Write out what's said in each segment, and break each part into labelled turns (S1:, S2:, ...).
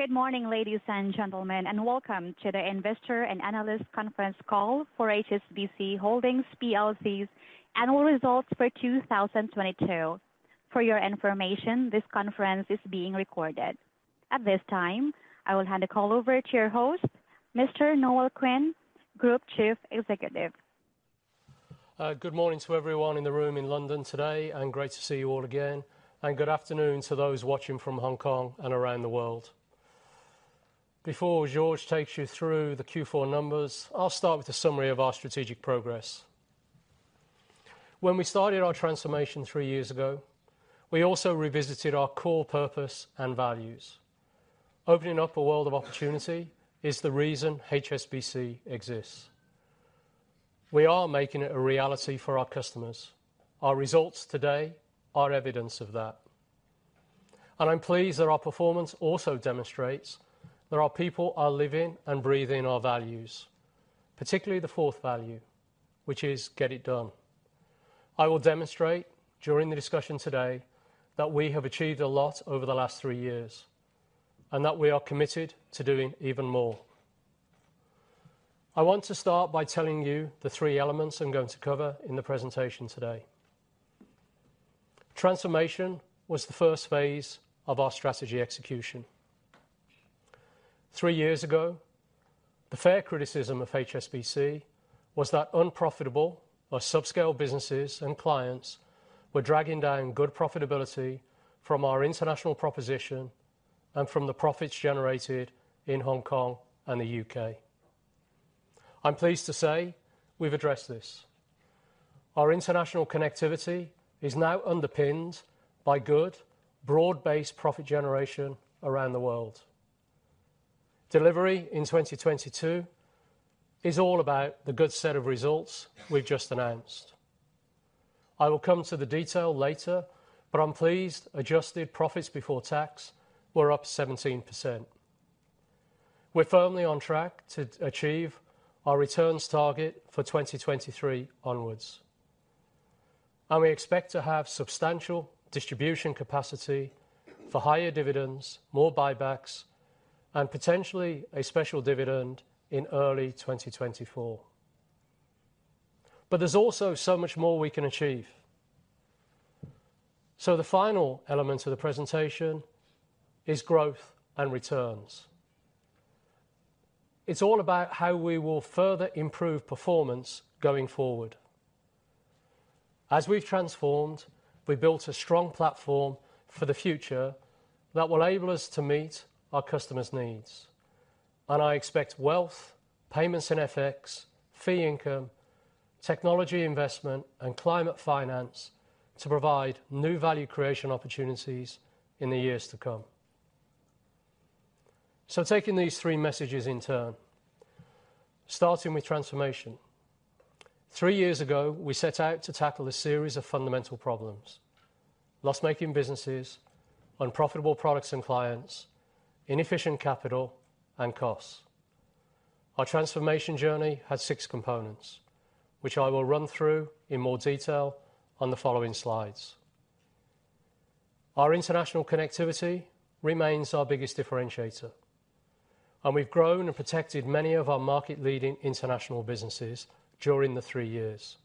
S1: Good morning, ladies and gentlemen, and welcome to the Investor and Analyst Conference call for HSBC Holdings plc's annual results for 2022. For your information, this conference is being recorded. At this time, I will hand the call over to your host, Mr. Noel Quinn, Group Chief Executive.
S2: Good morning to everyone in the room in London today, and great to see you all again. Good afternoon to those watching from Hong Kong and around the world. Before George takes you through the Q4 numbers, I'll start with a summary of our strategic progress. When we started our transformation three years ago, we also revisited our core purpose and values. Opening up a world of opportunity is the reason HSBC exists. We are making it a reality for our customers. Our results today are evidence of that. I'm pleased that our performance also demonstrates that our people are living and breathing our values, particularly the fourth value, which is get it done. I will demonstrate during the discussion today that we have achieved a lot over the last three years, and that we are committed to doing even more. I want to start by telling you the three elements I'm going to cover in the presentation today. Transformation was the first phase of our strategy execution. Three years ago, the fair criticism of HSBC was that unprofitable or subscale businesses and clients were dragging down good profitability from our international proposition and from the profits generated in Hong Kong and the U.K. I'm pleased to say we've addressed this. Our international connectivity is now underpinned by good, broad-based profit generation around the world. Delivery in 2022 is all about the good set of results we've just announced. I will come to the detail later, but I'm pleased adjusted profits before tax were up 17%. We're firmly on track to achieve our returns target for 2023 onwards. We expect to have substantial distribution capacity for higher dividends, more buybacks, and potentially a special dividend in early 2024. There's also so much more we can achieve. The final element of the presentation is growth and returns. It's all about how we will further improve performance going forward. As we've transformed, we've built a strong platform for the future that will enable us to meet our customers' needs, and I expect wealth, payments and FX, fee income, technology investment, and climate finance to provide new value creation opportunities in the years to come. Taking these three messages in turn, starting with transformation. Three years ago, we set out to tackle a series of fundamental problems: loss-making businesses, unprofitable products and clients, inefficient capital and costs. Our transformation journey has six components, which I will run through in more detail on the following slides. Our international connectivity remains our biggest differentiator, and we've grown and protected many of our market-leading international businesses during the three years.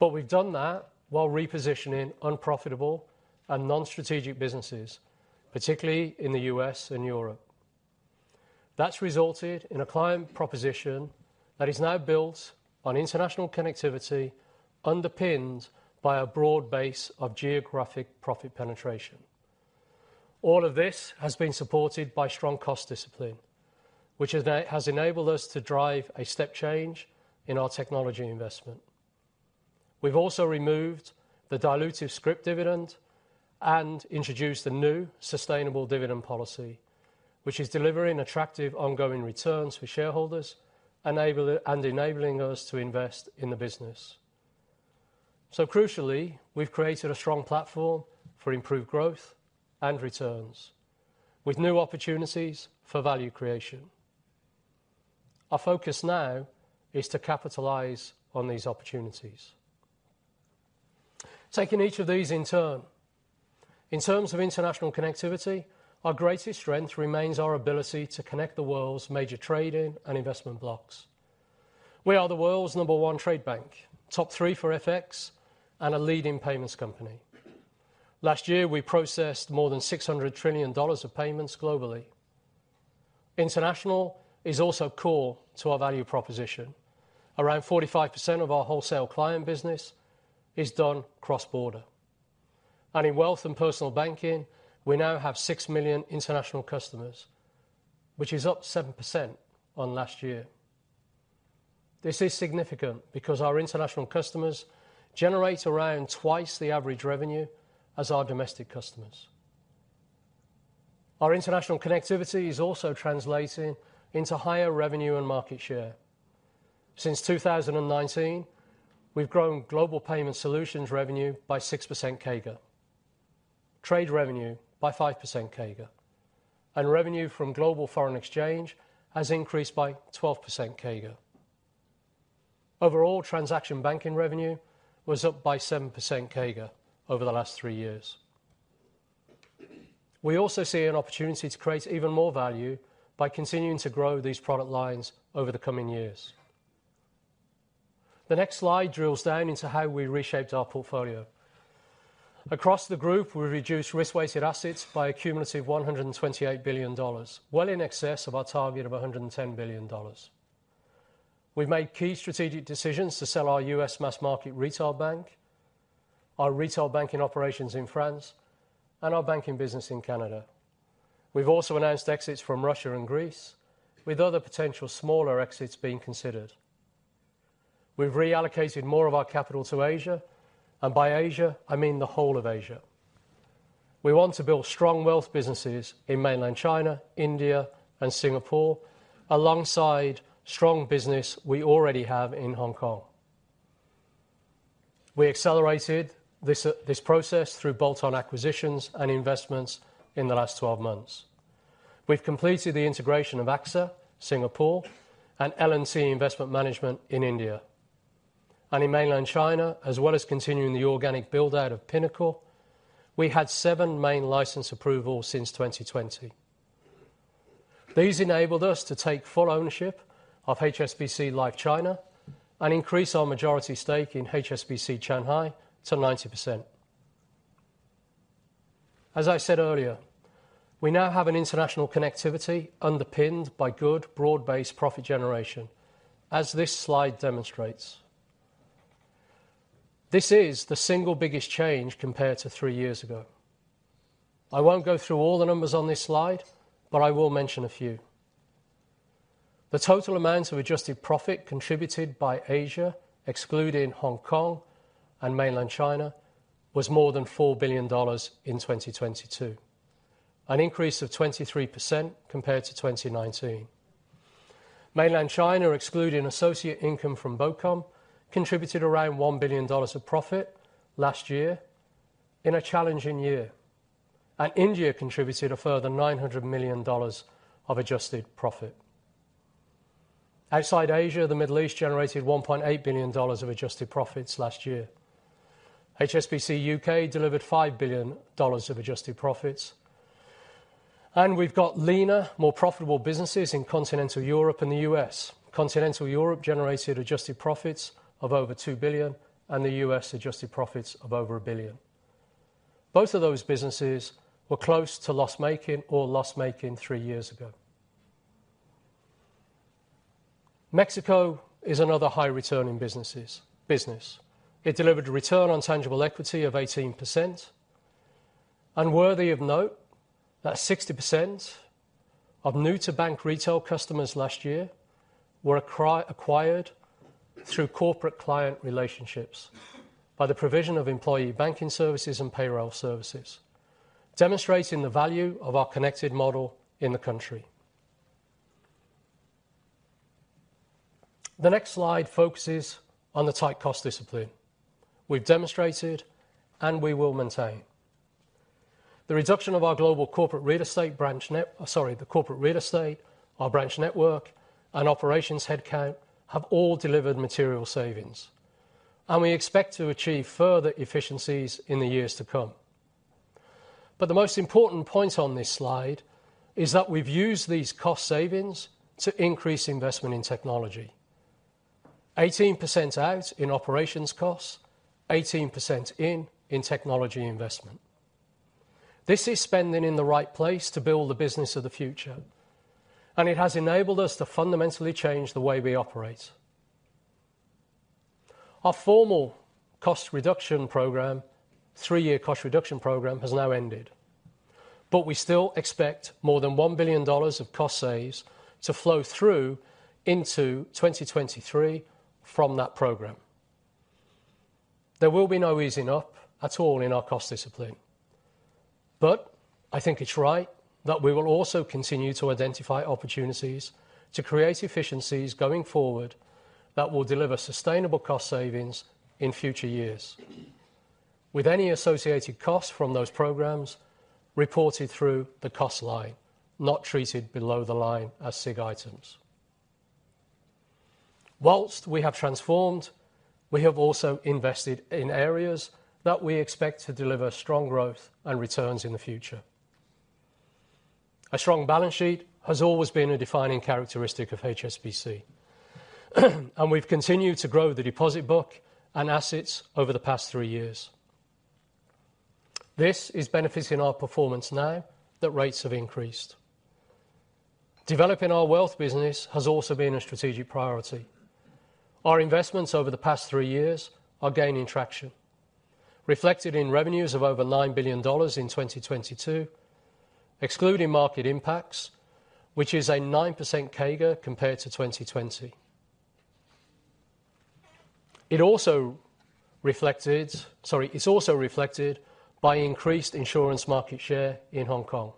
S2: We've done that while repositioning unprofitable and non-strategic businesses, particularly in the U.S. and Europe. That's resulted in a client proposition that is now built on international connectivity, underpinned by a broad base of geographic profit penetration. All of this has been supported by strong cost discipline, which has enabled us to drive a step change in our technology investment. We've also removed the dilutive scrip dividend and introduced a new sustainable dividend policy, which is delivering attractive ongoing returns for shareholders and enabling us to invest in the business. Crucially, we've created a strong platform for improved growth and returns with new opportunities for value creation. Our focus now is to capitalize on these opportunities. Taking each of these in turn. In terms of international connectivity, our greatest strength remains our ability to connect the world's major trade and investment blocks. We are the world's number one trade bank, top three for FX, and a leading payments company. Last year, we processed more than $600 trillion of payments globally. International is also core to our value proposition. Around 45% of our wholesale client business is done cross-border. In Wealth and Personal Banking, we now have 6 million international customers, which is up 7% on last year. This is significant because our international customers generate around twice the average revenue as our domestic customers. Our international connectivity is also translating into higher revenue and market share. Since 2019, we've grown Global Payments Solutions revenue by 6% CAGR, trade revenue by 5% CAGR, and revenue from global foreign exchange has increased by 12% CAGR. Overall transaction banking revenue was up by 7% CAGR over the last three years. We also see an opportunity to create even more value by continuing to grow these product lines over the coming years. The next slide drills down into how we reshaped our portfolio. Across the group, we reduced risk-weighted assets by a cumulative $128 billion, well in excess of our target of $110 billion. We've made key strategic decisions to sell our U.S. mass-market retail bank, our retail banking operations in France, and our banking business in Canada. We've also announced exits from Russia and Greece, with other potential smaller exits being considered. We've reallocated more of our capital to Asia, and by Asia, I mean the whole of Asia. We want to build strong wealth businesses in Mainland China, India, and Singapore, alongside strong business we already have in Hong Kong. We accelerated this process through bolt-on acquisitions and investments in the last 12 months. We've completed the integration of AXA Singapore and L&T Investment Management in India. In Mainland China, as well as continuing the organic build-out of Pinnacle, we had seven main license approvals since 2020. These enabled us to take full ownership of HSBC Life China and increase our majority stake in HSBC Shanghai to 90%. I said earlier, we now have an international connectivity underpinned by good broad-based profit generation, as this slide demonstrates. This is the single biggest change compared to three years ago. I won't go through all the numbers on this slide, but I will mention a few. The total amount of adjusted profit contributed by Asia, excluding Hong Kong and Mainland China, was more than $4 billion in 2022, an increase of 23% compared to 2019. Mainland China, excluding associate income from BOCOM, contributed around $1 billion of profit last year in a challenging year. India contributed a further $900 million of adjusted profit. Outside Asia, the Middle East generated $1.8 billion of adjusted profits last year. HSBC U.K. delivered $5 billion of adjusted profits. We've got leaner, more profitable businesses in continental Europe and the U.S. Continental Europe generated adjusted profits of over $2 billion, and the U.S. adjusted profits of over $1 billion. Both of those businesses were close to loss-making or loss-making three years ago. Mexico is another high returning business. It delivered a return on tangible equity of 18%. Worthy of note that 60% of new to bank retail customers last year were acquired through corporate client relationships by the provision of employee banking services and payroll services, demonstrating the value of our connected model in the country. The next slide focuses on the tight cost discipline we've demonstrated and we will maintain. The reduction of our global corporate real estate, our branch network, and operations head count have all delivered material savings. We expect to achieve further efficiencies in the years to come. The most important point on this slide is that we've used these cost savings to increase investment in technology. 18% out in operations costs, 18% in technology investment. This is spending in the right place to build the business of the future, it has enabled us to fundamentally change the way we operate. Our three-year cost reduction program has now ended, we still expect more than $1 billion of cost saves to flow through into 2023 from that program. There will be no easing up at all in our cost discipline. I think it's right that we will also continue to identify opportunities to create efficiencies going forward that will deliver sustainable cost savings in future years. With any associated costs from those programs reported through the cost line, not treated below the line as SIG items. While we have transformed, we have also invested in areas that we expect to deliver strong growth and returns in the future. A strong balance sheet has always been a defining characteristic of HSBC. We've continued to grow the deposit book and assets over the past three years. This is benefiting our performance now that rates have increased. Developing our wealth business has also been a strategic priority. Our investments over the past three years are gaining traction, reflected in revenues of over $9 billion in 2022, excluding market impacts, which is a 9% CAGR compared to 2020. Sorry, it's also reflected by increased insurance market share in Hong Kong.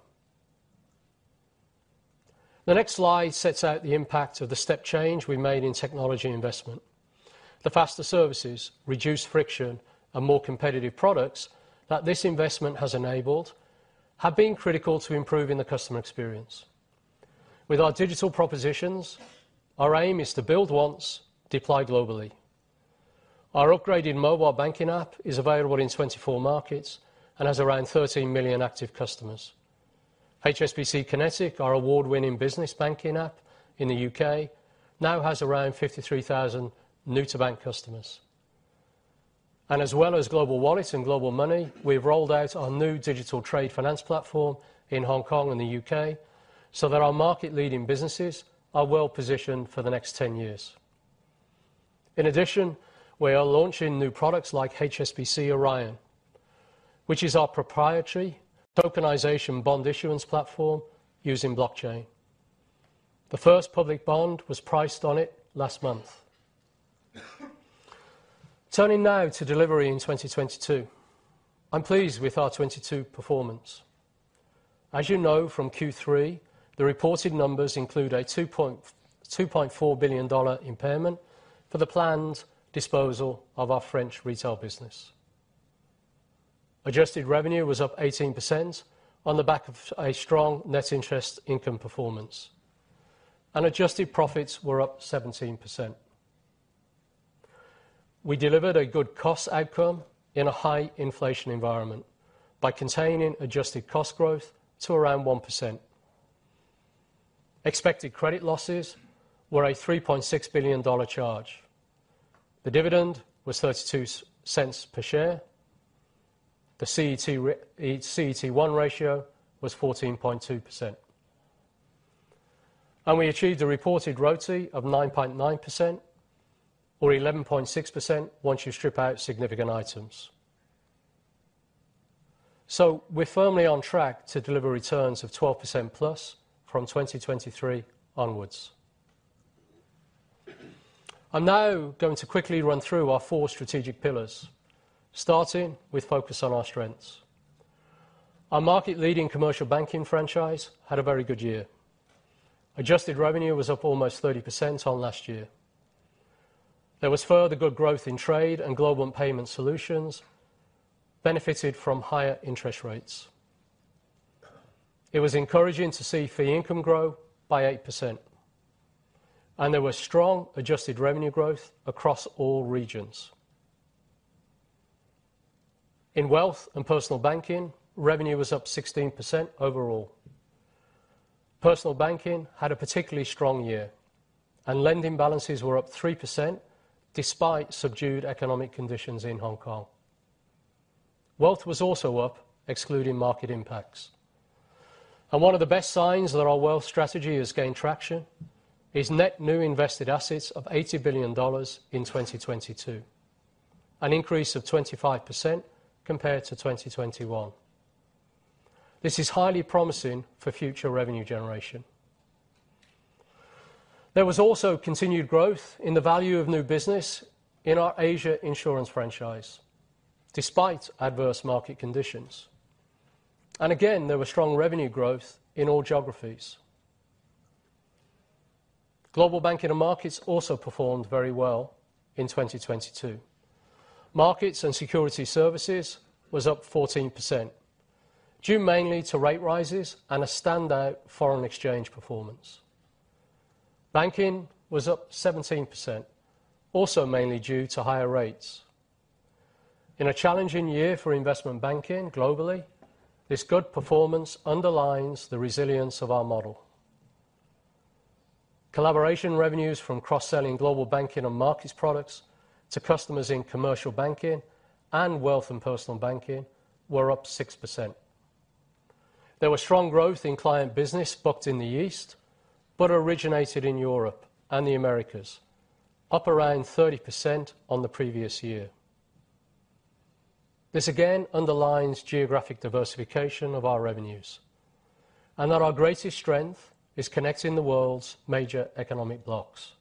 S2: The next slide sets out the impact of the step change we made in technology investment. The faster services, reduced friction, and more competitive products that this investment has enabled have been critical to improving the customer experience. With our digital propositions, our aim is to build once, deploy globally. Our upgraded mobile banking app is available in 24 markets and has around 13 million active customers. HSBC Kinetic, our award-winning business banking app in the U.K., now has around 53,000 new-to-bank customers. As well as Global Wallet and Global Money, we've rolled out our new digital trade finance platform in Hong Kong and the U.K. So that our market-leading businesses are well positioned for the next 10 years. In addition, we are launching new products like HSBC Orion, which is our proprietary tokenization bond issuance platform using blockchain. The first public bond was priced on it last month. Turning now to delivery in 2022. I'm pleased with our 2022 performance. As you know, from Q3, the reported numbers include a $2.4 billion impairment for the planned disposal of our French retail business. Adjusted revenue was up 18% on the back of a strong net interest income performance, and adjusted profits were up 17%. We delivered a good cost outcome in a high inflation environment by containing adjusted cost growth to around 1%. Expected credit losses were a $3.6 billion charge. The dividend was $0.32 per share. The CET1 ratio was 14.2%. We achieved a reported ROTI of 9.9% or 11.6% once you strip out significant items. We're firmly on track to deliver returns of 12%+ from 2023 onwards. I'm now going to quickly run through our four strategic pillars, starting with focus on our strengths. Our market-leading Commercial Banking franchise had a very good year. Adjusted revenue was up almost 30% on last year. There was further good growth in trade, and Global Payments Solutions benefited from higher interest rates. It was encouraging to see fee income grow by 8%, and there was strong adjusted revenue growth across all regions. In Wealth and Personal Banking, revenue was up 16% overall. Personal Banking had a particularly strong year, and lending balances were up 3% despite subdued economic conditions in Hong Kong. Wealth was also up, excluding market impacts. One of the best signs that our Wealth strategy has gained traction is net new invested assets of $80 billion in 2022, an increase of 25% compared to 2021. This is highly promising for future revenue generation. There was also continued growth in the value of new business in our Asia insurance franchise, despite adverse market conditions. Again, there was strong revenue growth in all geographies. Global Banking and Markets also performed very well in 2022. Markets and Securities Services was up 14%, due mainly to rate rises and a standout foreign exchange performance. Banking was up 17%, also mainly due to higher rates. In a challenging year for investment banking globally, this good performance underlines the resilience of our model. Collaboration revenues from cross-selling Global Banking and Markets products to customers in Commercial Banking and Wealth and Personal Banking were up 6%. There was strong growth in client business booked in the East, but originated in Europe and the Americas, up around 30% on the previous year. This again underlines geographic diversification of our revenues and that our greatest strength is connecting the world's major economic blocks.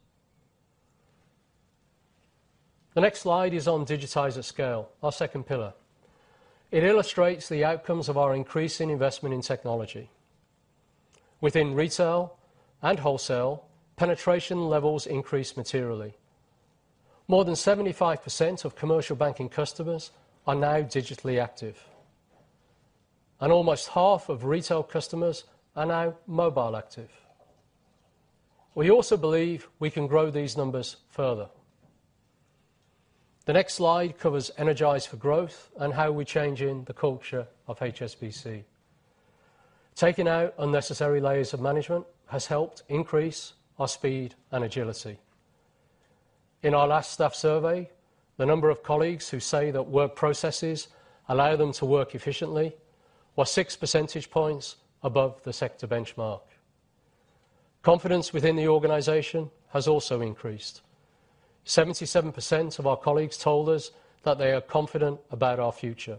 S2: The next slide is on digitize at scale, our second pillar. It illustrates the outcomes of our increase in investment in technology. Within Retail and Wholesale, penetration levels increased materially. More than 75% of Commercial Banking customers are now digitally active, and almost half of Retail customers are now mobile active. We also believe we can grow these numbers further. The next slide covers energize for growth and how we're changing the culture of HSBC. Taking out unnecessary layers of management has helped increase our speed and agility. In our last staff survey, the number of colleagues who say that work processes allow them to work efficiently was six percentage points above the sector benchmark. Confidence within the organization has also increased. 77% of our colleagues told us that they are confident about our future,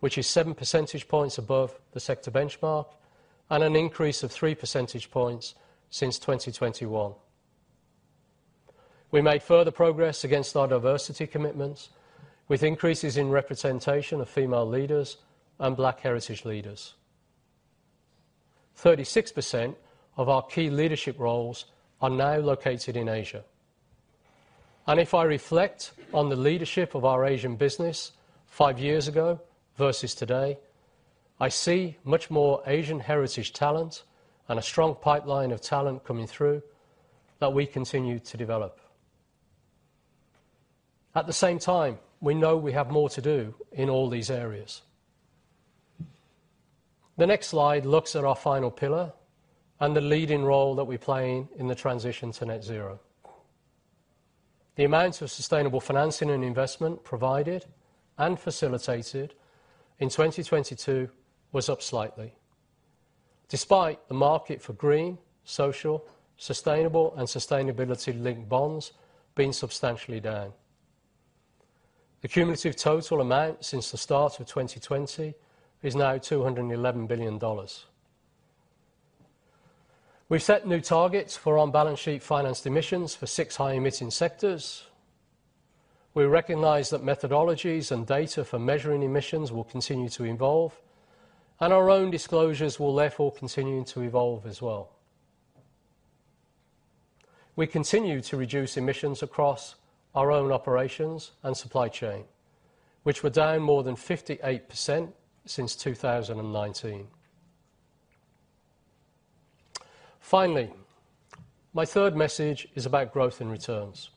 S2: which is seven percentage points above the sector benchmark and an increase of three percentage points since 2021. We made further progress against our diversity commitments with increases in representation of female leaders and Black heritage leaders. 36% of our key leadership roles are now located in Asia. If I reflect on the leadership of our Asian business five years ago versus today, I see much more Asian heritage talent and a strong pipeline of talent coming through that we continue to develop. At the same time, we know we have more to do in all these areas. The next slide looks at our final pillar and the leading role that we play in the transition to net zero. The amount of sustainable financing and investment provided and facilitated in 2022 was up slightly, despite the market for green, social, sustainable, and sustainability-linked bonds being substantially down. The cumulative total amount since the start of 2020 is now $211 billion. We've set new targets for on-balance sheet financed emissions for six high-emitting sectors. We recognize that methodologies and data for measuring emissions will continue to evolve, and our own disclosures will therefore continue to evolve as well. We continue to reduce emissions across our own operations and supply chain, which were down more than 58% since 2019. Finally, my third message is about growth in returns.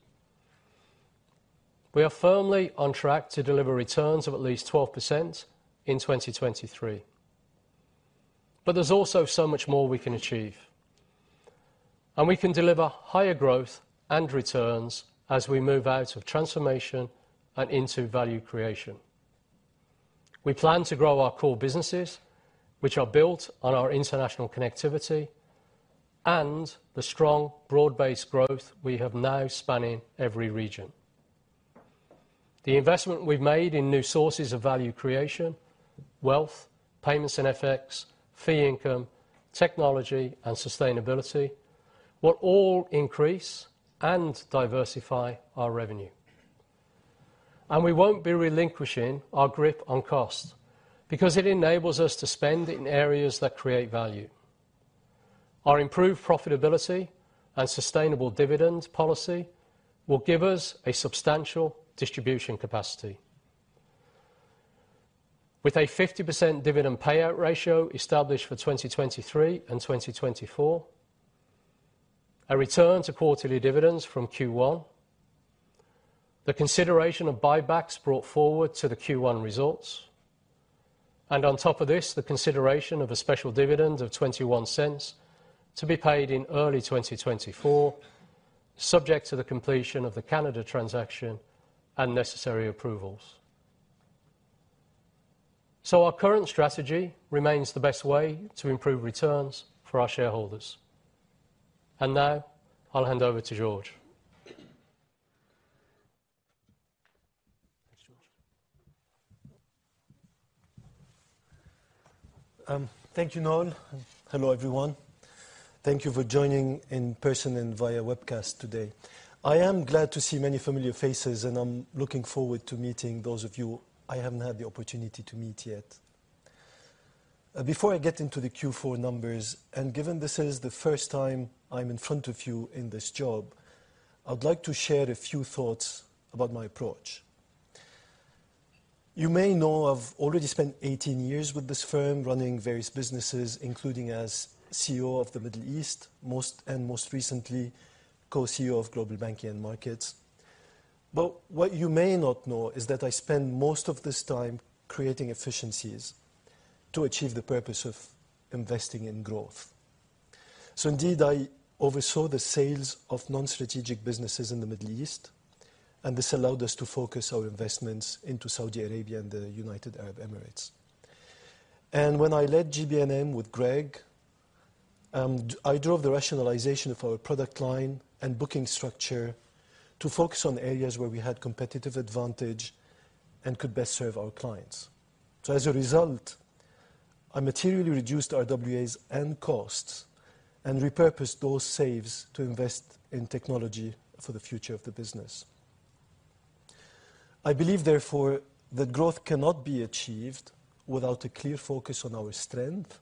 S2: We are firmly on track to deliver returns of at least 12% in 2023. There's also so much more we can achieve. We can deliver higher growth and returns as we move out of transformation and into value creation. We plan to grow our core businesses, which are built on our international connectivity and the strong broad-based growth we have now spanning every region. The investment we've made in new sources of value creation, wealth, payments and FX, fee income, technology, and sustainability will all increase and diversify our revenue. We won't be relinquishing our grip on cost because it enables us to spend in areas that create value. Our improved profitability and sustainable dividend policy will give us a substantial distribution capacity. With a 50% dividend payout ratio established for 2023 and 2024, a return to quarterly dividends from Q1, the consideration of buybacks brought forward to the Q1 results, and on top of this, the consideration of a special dividend of $0.21 to be paid in early 2024, subject to the completion of the Canada transaction and necessary approvals. Our current strategy remains the best way to improve returns for our shareholders. Now I'll hand over to George. Thanks, George.
S3: Thank you, Noel. Hello, everyone. Thank you for joining in person and via webcast today. I am glad to see many familiar faces, I'm looking forward to meeting those of you I haven't had the opportunity to meet yet. Before I get into the Q4 numbers, and given this is the first time I'm in front of you in this job, I'd like to share a few thoughts about my approach. You may know I've already spent 18 years with this firm running various businesses, including as CEO of the Middle East, and most recently, Co-CEO of Global Banking and Markets. What you may not know is that I spent most of this time creating efficiencies to achieve the purpose of investing in growth. Indeed, I oversaw the sales of non-strategic businesses in the Middle East, and this allowed us to focus our investments into Saudi Arabia and the United Arab Emirates. When I led GBNM with Greg, I drove the rationalization of our product line and booking structure to focus on areas where we had competitive advantage and could best serve our clients. As a result, I materially reduced our RWAs and costs and repurposed those saves to invest in technology for the future of the business. I believe, therefore, that growth cannot be achieved without a clear focus on our strength.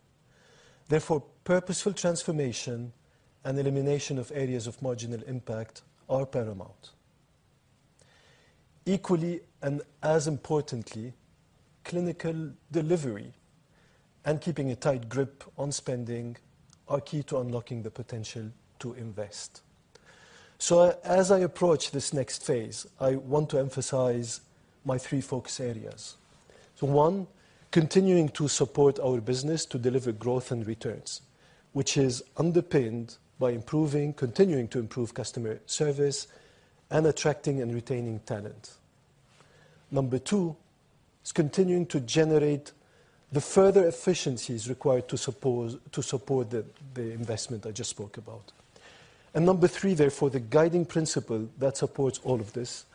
S3: Purposeful transformation and elimination of areas of marginal impact are paramount. Equally and as importantly, clinical delivery and keeping a tight grip on spending are key to unlocking the potential to invest. As I approach this next phase, I want to emphasize my three focus areas. One, continuing to support our business to deliver growth and returns, which is underpinned by continuing to improve customer service and attracting and retaining talent. Number two is continuing to generate the further efficiencies required to support the investment I just spoke about. Number three, therefore, the guiding principle that supports all of this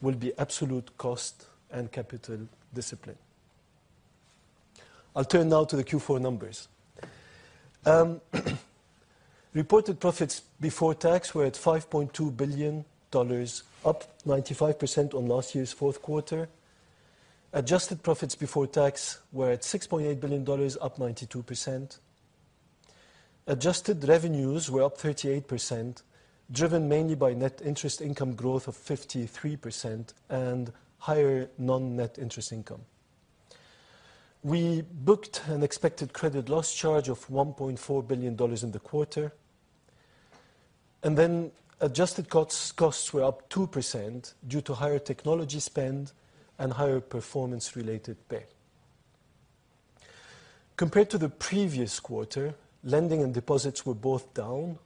S3: will be absolute cost and capital discipline. I'll turn now to the Q4 numbers. Reported profits before tax were at $5.2 billion, up 95% on last year's fourth quarter. Adjusted profits before tax were at $6.8 billion, up 92%. Adjusted revenues were up 38%, driven mainly by net interest income growth of 53% and higher non-net interest income. We booked an expected credit loss charge of $1.4 billion in the quarter, and then adjusted costs were up 2% due to higher technology spend and higher performance-related pay. Compared to the previous quarter, lending and deposits were both down,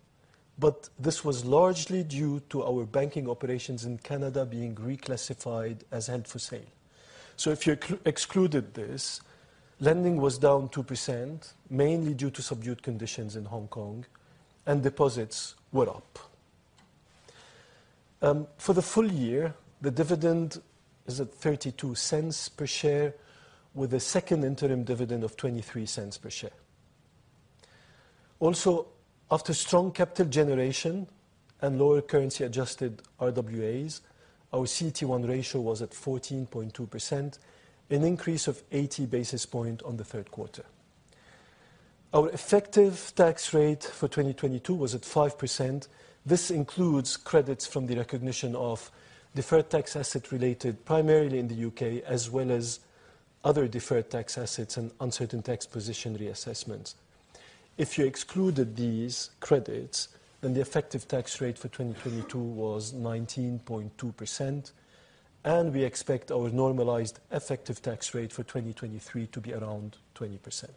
S3: but this was largely due to our banking operations in Canada being reclassified as held for sale. If you excluded this, lending was down 2%, mainly due to subdued conditions in Hong Kong, and deposits were up. For the full year, the dividend is at $0.32 per share, with a second interim dividend of $0.23 per share. After strong capital generation and lower currency adjusted RWAs, our CET1 ratio was at 14.2%, an increase of 80 basis points on the third quarter. Our effective tax rate for 2022 was at 5%. This includes credits from the recognition of deferred tax asset related primarily in the U.K., as well as other deferred tax assets and uncertain tax position reassessments. The effective tax rate for 2022 was 19.2%, and we expect our normalized effective tax rate for 2023 to be around 20%.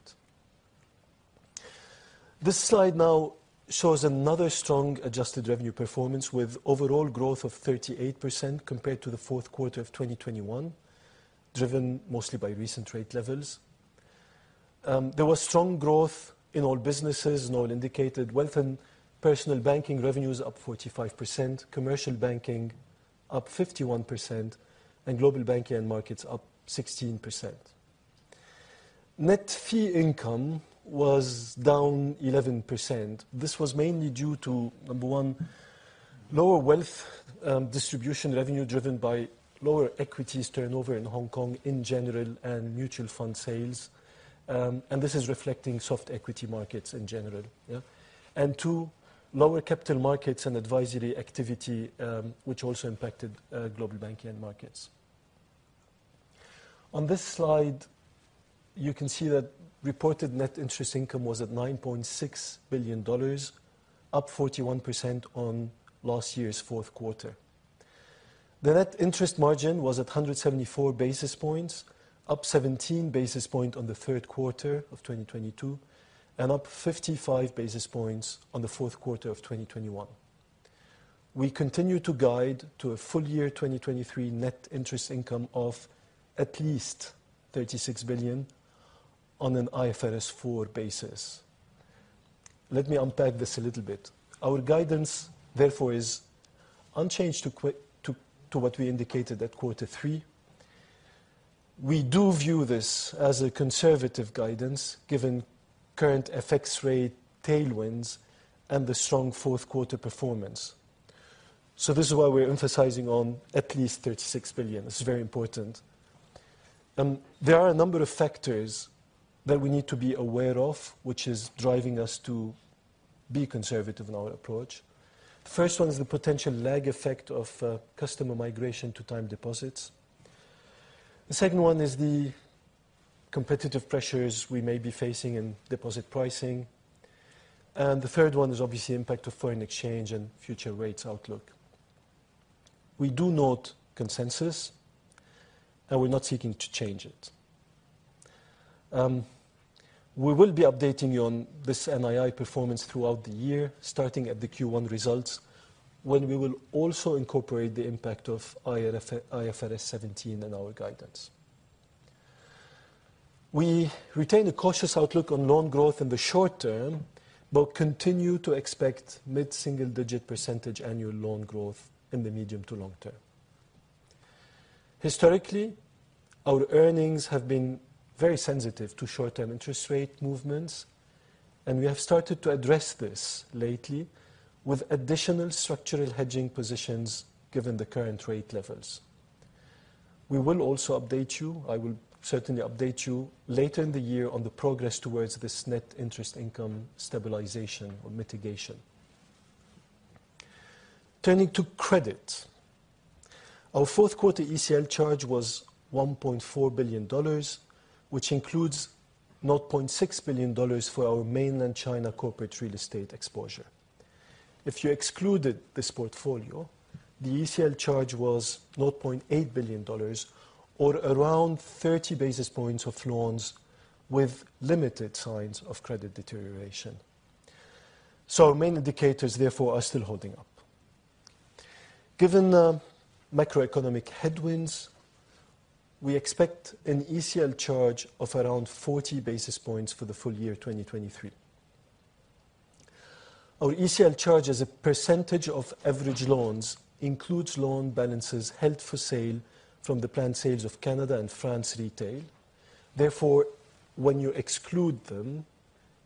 S3: This slide now shows another strong adjusted revenue performance with overall growth of 38% compared to the fourth quarter of 2021, driven mostly by recent rate levels. There was strong growth in all businesses and all indicated Wealth and Personal Banking revenues up 45%, Commercial Banking up 51%, and Global Banking and Markets up 16%. Net fee income was down 11%. This was mainly due to, number one, lower wealth distribution revenue driven by lower equities turnover in Hong Kong in general and mutual fund sales. This is reflecting soft equity markets in general. Two, lower capital markets and advisory activity, which also impacted Global Banking and Markets. On this slide, you can see that reported net interest income was at $9.6 billion, up 41% on last year's fourth quarter. The net interest margin was at 174 basis points, up 17 basis point on the third quarter of 2022, and up 55 basis points on the fourth quarter of 2021. We continue to guide to a full year 2023 net interest income of at least $36 billion on an IFRS 4 basis. Let me unpack this a little bit. Our guidance, therefore, is unchanged to what we indicated at quarter three. We do view this as a conservative guidance, given current FX rate tailwinds and the strong fourth quarter performance. This is why we're emphasizing on at least $36 billion. This is very important. There are a number of factors that we need to be aware of, which is driving us to be conservative in our approach. The first one is the potential lag effect of customer migration to time deposits. The second one is the competitive pressures we may be facing in deposit pricing. The third one is obviously impact of foreign exchange and future rates outlook. We do note consensus, and we're not seeking to change it. We will be updating you on this NII performance throughout the year, starting at the Q1 results, when we will also incorporate the impact of IFRS 17 in our guidance. We retain a cautious outlook on loan growth in the short term but continue to expect mid-single-digit % annual loan growth in the medium to long term. Historically, our earnings have been very sensitive to short-term interest rate movements, and we have started to address this lately with additional structural hedging positions given the current rate levels. We will also update you, I will certainly update you later in the year on the progress towards this net interest income stabilization or mitigation. Turning to credit, our fourth quarter ECL charge was $1.4 billion, which includes $0.6 billion for our mainland China corporate real estate exposure. If you excluded this portfolio, the ECL charge was $0.8 billion or around 30 basis points of loans with limited signs of credit deterioration. Our main indicators, therefore, are still holding up. Given the macroeconomic headwinds, we expect an ECL charge of around 40 basis points for the full year 2023. Our ECL charge as a percentage of average loans includes loan balances held for sale from the planned sales of Canada and France Retail. When you exclude them,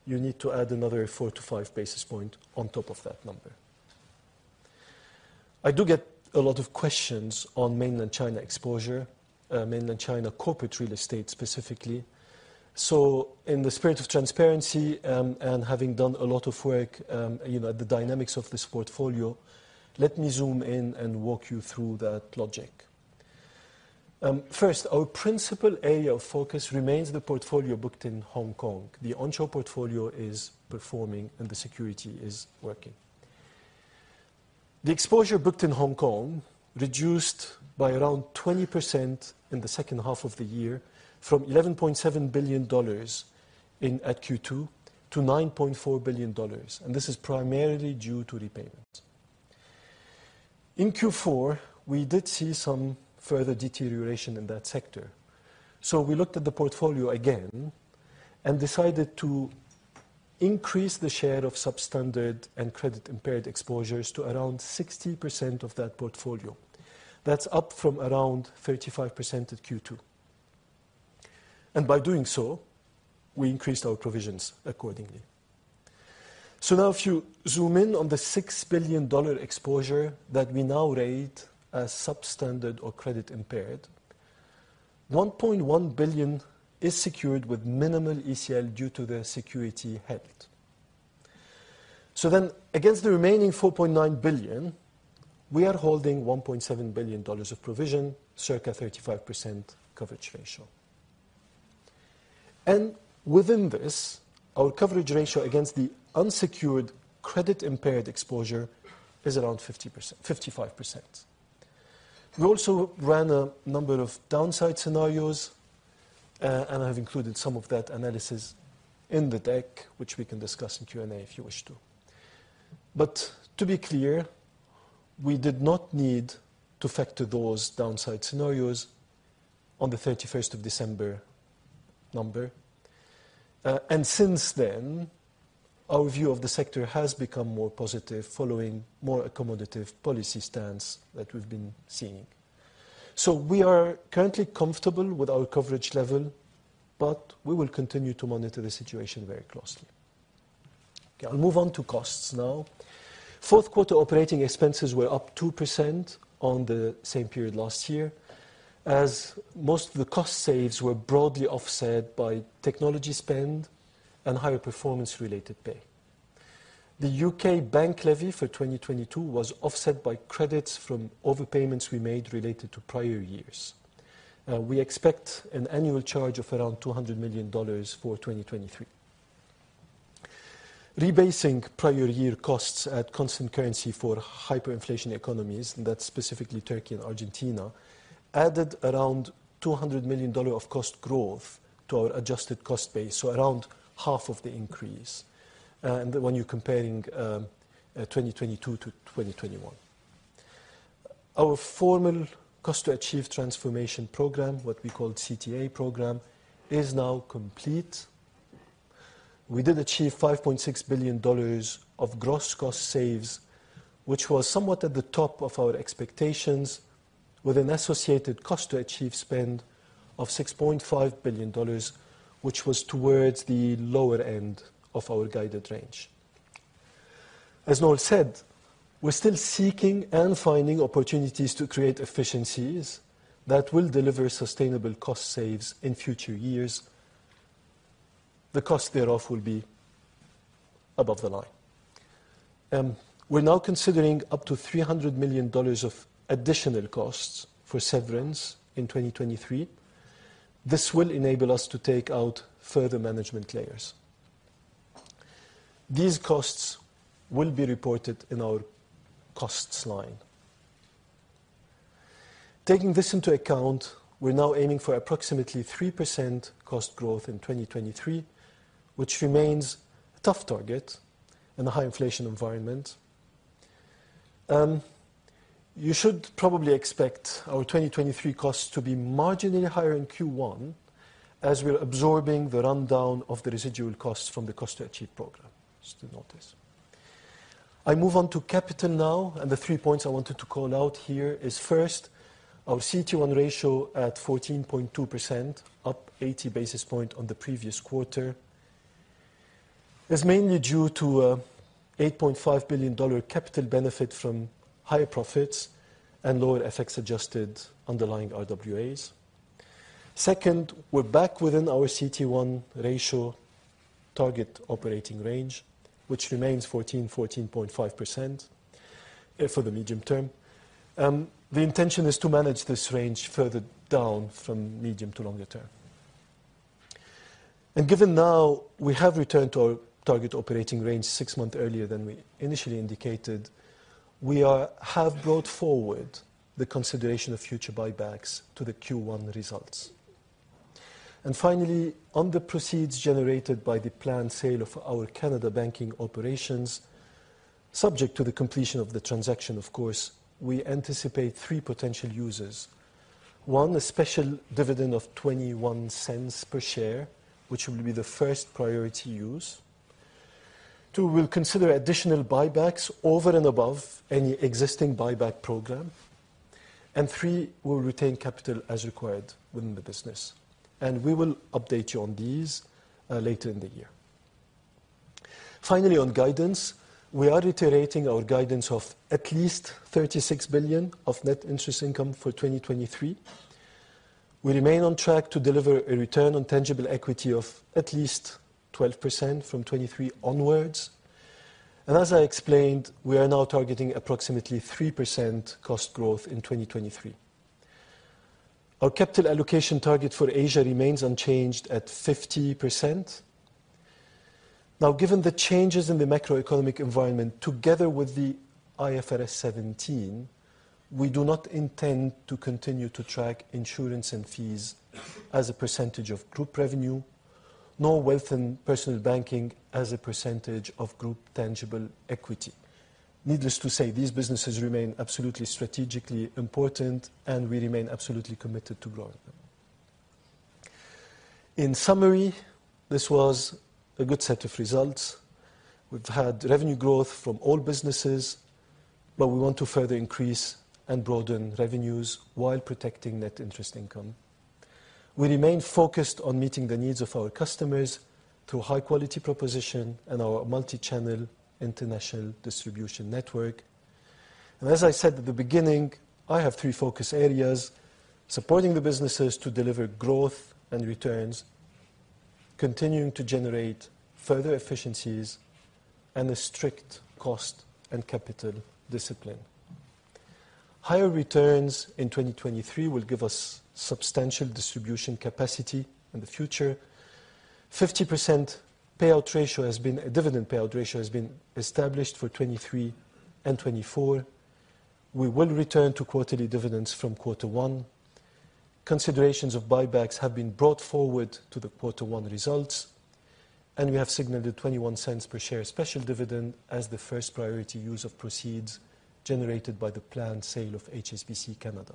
S3: you need to add another four-five basis point on top of that number. I do get a lot of questions on Mainland China exposure, Mainland China corporate real estate specifically. In the spirit of transparency, and having done a lot of work, you know, the dynamics of this portfolio, let me zoom in and walk you through that logic. First, our principal area of focus remains the portfolio booked in Hong Kong. The onshore portfolio is performing, and the security is working. The exposure booked in Hong Kong reduced by around 20% in the second half of the year from $11.7 billion at Q2 to $9.4 billion, and this is primarily due to repayments. In Q4, we did see some further deterioration in that sector. We looked at the portfolio again and decided to increase the share of substandard and credit-impaired exposures to around 60% of that portfolio. That's up from around 35% at Q2. By doing so, we increased our provisions accordingly. If you zoom in on the $6 billion exposure that we now rate as substandard or credit-impaired, $1.1 billion is secured with minimal ECL due to the security held. Against the remaining $4.9 billion, we are holding $1.7 billion of provision, circa 35% coverage ratio. Within this, our coverage ratio against the unsecured credit-impaired exposure is around 50%-55%. We also ran a number of downside scenarios, and I've included some of that analysis in the deck, which we can discuss in Q&A if you wish to. To be clear, we did not need to factor those downside scenarios on the 31st of December number. Since then, our view of the sector has become more positive following more accommodative policy stance that we've been seeing. We are currently comfortable with our coverage level, but we will continue to monitor the situation very closely. Okay, I'll move on to costs now. Fourth quarter operating expenses were up 2% on the same period last year, as most of the cost saves were broadly offset by technology spend and higher performance-related pay. The U.K. bank levy for 2022 was offset by credits from overpayments we made related to prior years. We expect an annual charge of around $200 million for 2023. Rebasing prior year costs at constant currency for hyperinflation economies, and that's specifically Turkey and Argentina, added around $200 million of cost growth to our adjusted cost base, so around half of the increase, when you're comparing 2022 to 2021. Our formal cost to achieve transformation program, what we call CTA program, is now complete. We did achieve $5.6 billion of gross cost saves, which was somewhat at the top of our expectations, with an associated cost to achieve spend of $6.5 billion, which was towards the lower end of our guided range. As Noel said, we're still seeking and finding opportunities to create efficiencies that will deliver sustainable cost saves in future years. The cost thereof will be above the line. We're now considering up to $300 million of additional costs for severance in 2023. This will enable us to take out further management layers. These costs will be reported in our costs line. Taking this into account, we're now aiming for approximately 3% cost growth in 2023, which remains a tough target in a high inflation environment. You should probably expect our 2023 costs to be marginally higher in Q1 as we're absorbing the rundown of the residual costs from the cost to achieve program. Still notice. I move on to capital now, and the three points I wanted to call out here is first, our CET1 ratio at 14.2%, up 80 basis points on the previous quarter. It's mainly due to a $8.5 billion capital benefit from higher profits and lower FX-adjusted underlying RWAs. Second, we're back within our CET1 ratio target operating range, which remains 14%-14.5% for the medium term. The intention is to manage this range further down from medium to longer term. Given now we have returned to our target operating range six months earlier than we initially indicated, we have brought forward the consideration of future buybacks to the Q1 results. Finally, on the proceeds generated by the planned sale of our Canada banking operations, subject to the completion of the transaction, of course, we anticipate three potential uses. One, a special dividend of $0.21 per share, which will be the first priority use. Two, we'll consider additional buybacks over and above any existing buyback program. Three, we'll retain capital as required within the business. We will update you on these later in the year. Finally, on guidance, we are reiterating our guidance of at least $36 billion of net interest income for 2023. We remain on track to deliver a return on tangible equity of at least 12% from 2023 onwards. As I explained, we are now targeting approximately 3% cost growth in 2023. Our capital allocation target for Asia remains unchanged at 50%. Given the changes in the macroeconomic environment together with the IFRS 17, we do not intend to continue to track insurance and fees as a percentage of group revenue, nor Wealth and Personal Banking as a percentage of group tangible equity. Needless to say, these businesses remain absolutely strategically important and we remain absolutely committed to growing them. In summary, this was a good set of results. We've had revenue growth from all businesses, we want to further increase and broaden revenues while protecting Net Interest Income. We remain focused on meeting the needs of our customers through high-quality proposition and our multi-channel international distribution network. As I said at the beginning, I have three focus areas, supporting the businesses to deliver growth and returns, continuing to generate further efficiencies, and a strict cost and capital discipline. Higher returns in 2023 will give us substantial distribution capacity in the future. 50% dividend payout ratio has been established for 2023 and 2024. We will return to quarterly dividends from quarter one. Considerations of buybacks have been brought forward to the quarter one results, and we have signaled a $0.21 per share special dividend as the first priority use of proceeds generated by the planned sale of HSBC Canada.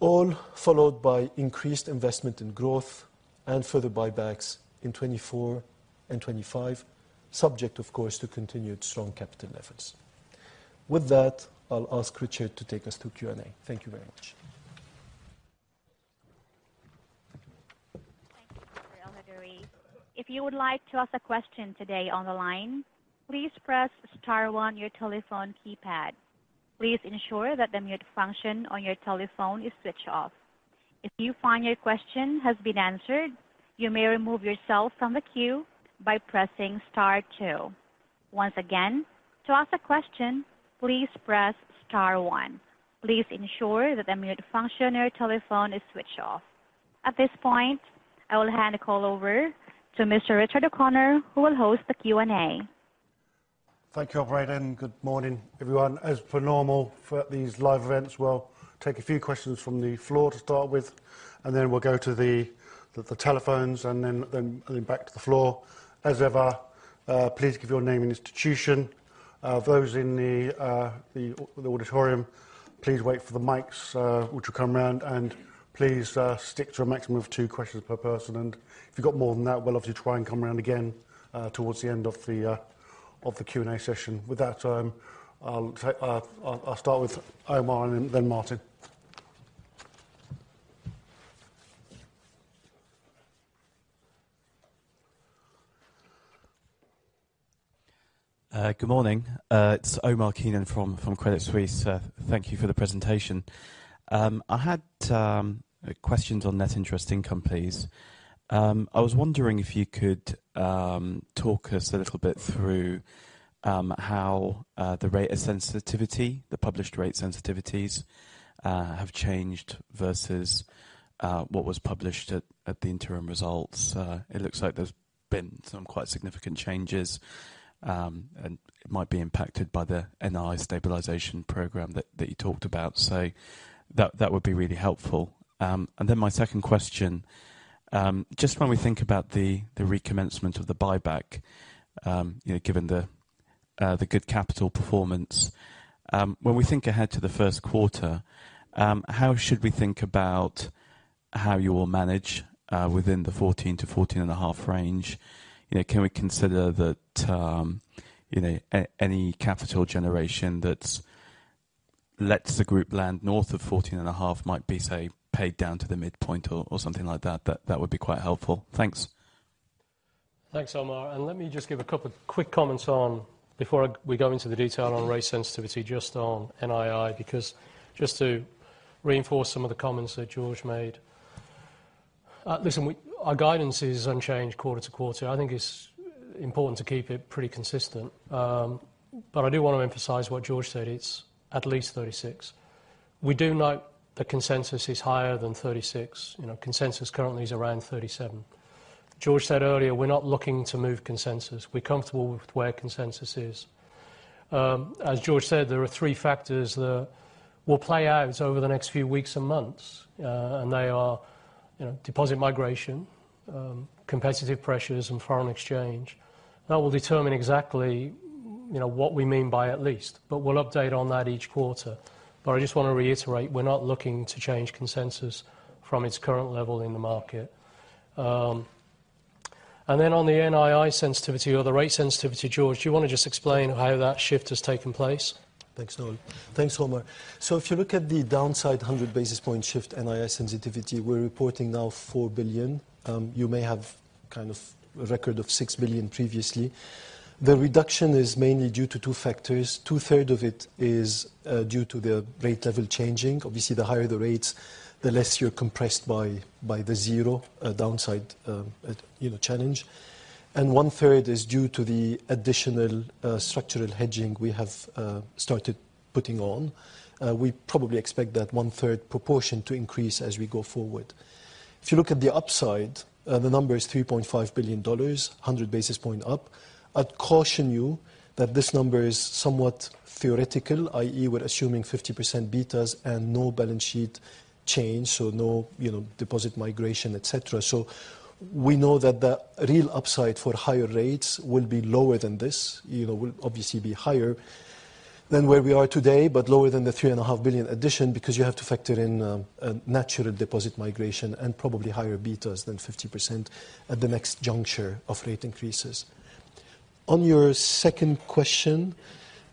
S3: All followed by increased investment in growth and further buybacks in 2024 and 2025, subject of course to continued strong capital efforts. With that, I'll ask Richard to take us through Q&A. Thank you very much.
S1: Thank you, Mr. Elhedery. If you would like to ask a question today on the line, please press star one on your telephone keypad. Please ensure that the mute function on your telephone is switched off. If you find your question has been answered, you may remove yourself from the queue by pressing star two. Once again, to ask a question, please press star one. Please ensure that the mute function on your telephone is switched off. At this point, I will hand the call over to Mr. Richard O'Connor, who will host the Q&A.
S4: Thank you, operator. Good morning, everyone. As per normal for these live events, we'll take a few questions from the floor to start with, and then we'll go to the telephones and then back to the floor. As ever, please give your name and institution. Those in the auditorium, please wait for the mics, which will come around, and please stick to a maximum of two questions per person. If you've got more than that, we'll obviously try and come around again towards the end of the Q&A session. With that, I'll start with Omar and then Martin.
S5: Good morning. It's Omar Keenan from Credit Suisse. Thank you for the presentation. I had questions on net interest income, please. I was wondering if you could talk us a little bit through how the rate of sensitivity, the published rate sensitivities, have changed versus what was published at the interim results. It looks like there's been some quite significant changes, and it might be impacted by the NII stabilization program that you talked about. That would be really helpful. Then my second question, just when we think about the recommencement of the buyback, you know, given the good capital performance, when we think ahead to the first quarter, how should we think about how you will manage within the 14%-14.5% range? You know, can we consider that, you know, any capital generation that's lets the group land north of 14.5% might be, say, paid down to the midpoint or something like that? That would be quite helpful. Thanks.
S3: Thanks, Omar. Let me just give a couple quick comments on before we go into the detail on rate sensitivity just on NII, because just to reinforce some of the comments that George made. listen, our guidance is unchanged quarter to quarter. I think it's important to keep it pretty consistent. I do wanna emphasize what George said, it's at least $36 billion. We do note the consensus is higher than $36 billion. You know, consensus currently is around $37 billion. George said earlier, we're not looking to move consensus. We're comfortable with where consensus is. As George said, there are three factors that will play out over the next few weeks and months, and they are, you know, deposit migration, competitive pressures and foreign exchange. That will determine exactly, you know, what we mean by at least. We'll update on that each quarter. I just wanna reiterate, we're not looking to change consensus from its current level in the market. On the NII sensitivity or the rate sensitivity, George, do you wanna just explain how that shift has taken place?
S2: Thanks, Noel. Thanks, Noel. If you look at the downside 100 basis point shift NII sensitivity, we're reporting now $4 billion. You may have kind of a record of $6 billion previously. The reduction is mainly due to two factors. Two-third of it is due to the rate level changing. Obviously, the higher the rates, the less you're compressed by the zero downside challenge. One-third is due to the additional structural hedging we have started putting on. We probably expect that one-third proportion to increase as we go forward. If you look at the upside, the number is $3.5 billion, 100 basis point up. I'd caution you that this number is somewhat theoretical, i.e., we're assuming 50% betas and no balance sheet change, so no deposit migration, et cetera. We know that the real upside for higher rates will be lower than this. You know, will obviously be higher than where we are today, but lower than the three and a half billion addition because you have to factor in natural deposit migration and probably higher betas than 50% at the next juncture of rate increases. On your second question,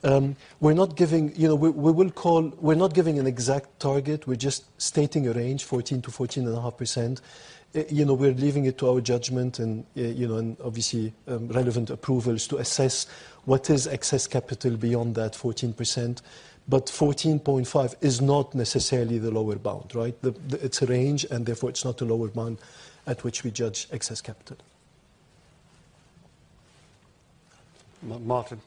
S2: we're not giving an exact target. We're just stating a range, 14%-14.5%. You know, we're leaving it to our judgment and, you know, and obviously, relevant approvals to assess what is excess capital beyond that 14%. But 14.5 is not necessarily the lower bound, right? It's a range, and therefore it's not a lower bound at which we judge excess capital.
S3: Martin.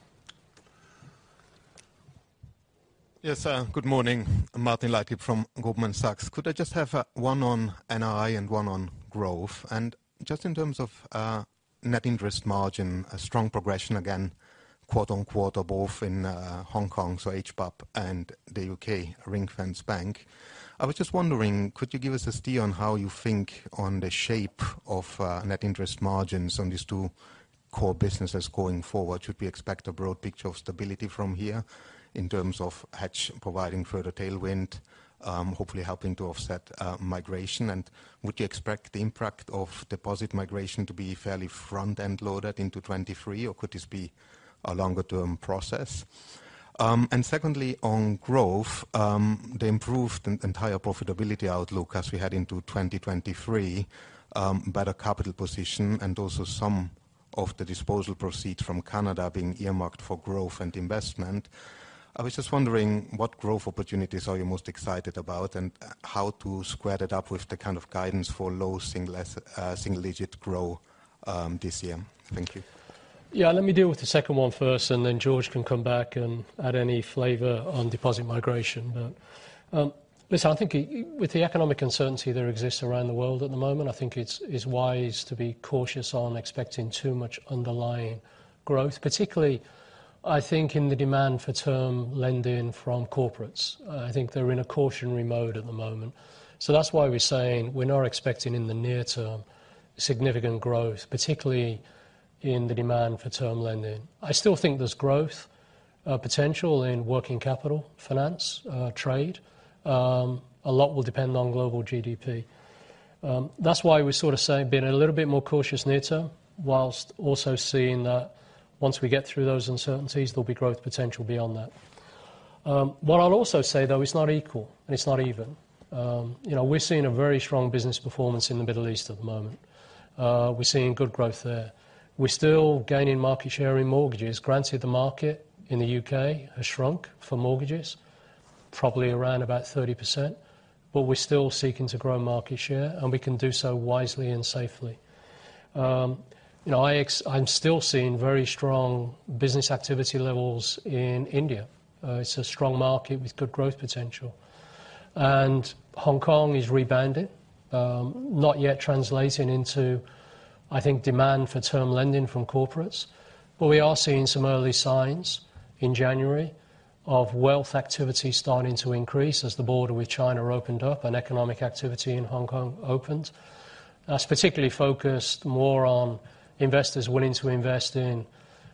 S6: Yes, good morning. Martin Leitgeb from Goldman Sachs. Could I just have 1 on NII and 1 on growth? Just in terms of net interest margin, a strong progression again, quote-unquote, or both in Hong Kong, so HBAP and the U.K. ring-fence bank. I was just wondering, could you give us a steer on how you think on the shape of net interest margins on these two core businesses going forward? Should we expect a broad picture of stability from here in terms of hedge providing further tailwind, hopefully helping to offset migration? Would you expect the impact of deposit migration to be fairly front-end loaded into 2023, or could this be a longer-term process? Secondly, on growth, the improved and higher profitability outlook as we head into 2023, better capital position and also some of the disposal proceeds from Canada being earmarked for growth and investment. I was just wondering what growth opportunities are you most excited about and how to square that up with the kind of guidance for low single-digit growth this year. Thank you.
S2: Yeah. Let me deal with the second one first, then George can come back and add any flavor on deposit migration. Listen, I think with the economic uncertainty there exists around the world at the moment, I think it's wise to be cautious on expecting too much underlying growth, particularly, I think, in the demand for term lending from corporates. I think they're in a cautionary mode at the moment. That's why we're saying we're not expecting in the near term significant growth, particularly in the demand for term lending. I still think there's growth potential in working capital, finance, trade. A lot will depend on global GDP. That's why we sort of say being a little bit more cautious near term, whilst also seeing that once we get through those uncertainties, there'll be growth potential beyond that. What I'll also say, though, it's not equal and it's not even. You know, we're seeing a very strong business performance in the Middle East at the moment. We're seeing good growth there. We're still gaining market share in mortgages. Granted, the market in the U.K. has shrunk for mortgages probably around about 30%, but we're still seeking to grow market share, and we can do so wisely and safely. You know, I'm still seeing very strong business activity levels in India. It's a strong market with good growth potential. Hong Kong is rebounding, not yet translating into, I think, demand for term lending from corporates. We are seeing some early signs in January of wealth activity starting to increase as the border with China opened up and economic activity in Hong Kong opens. That's particularly focused more on investors willing to invest in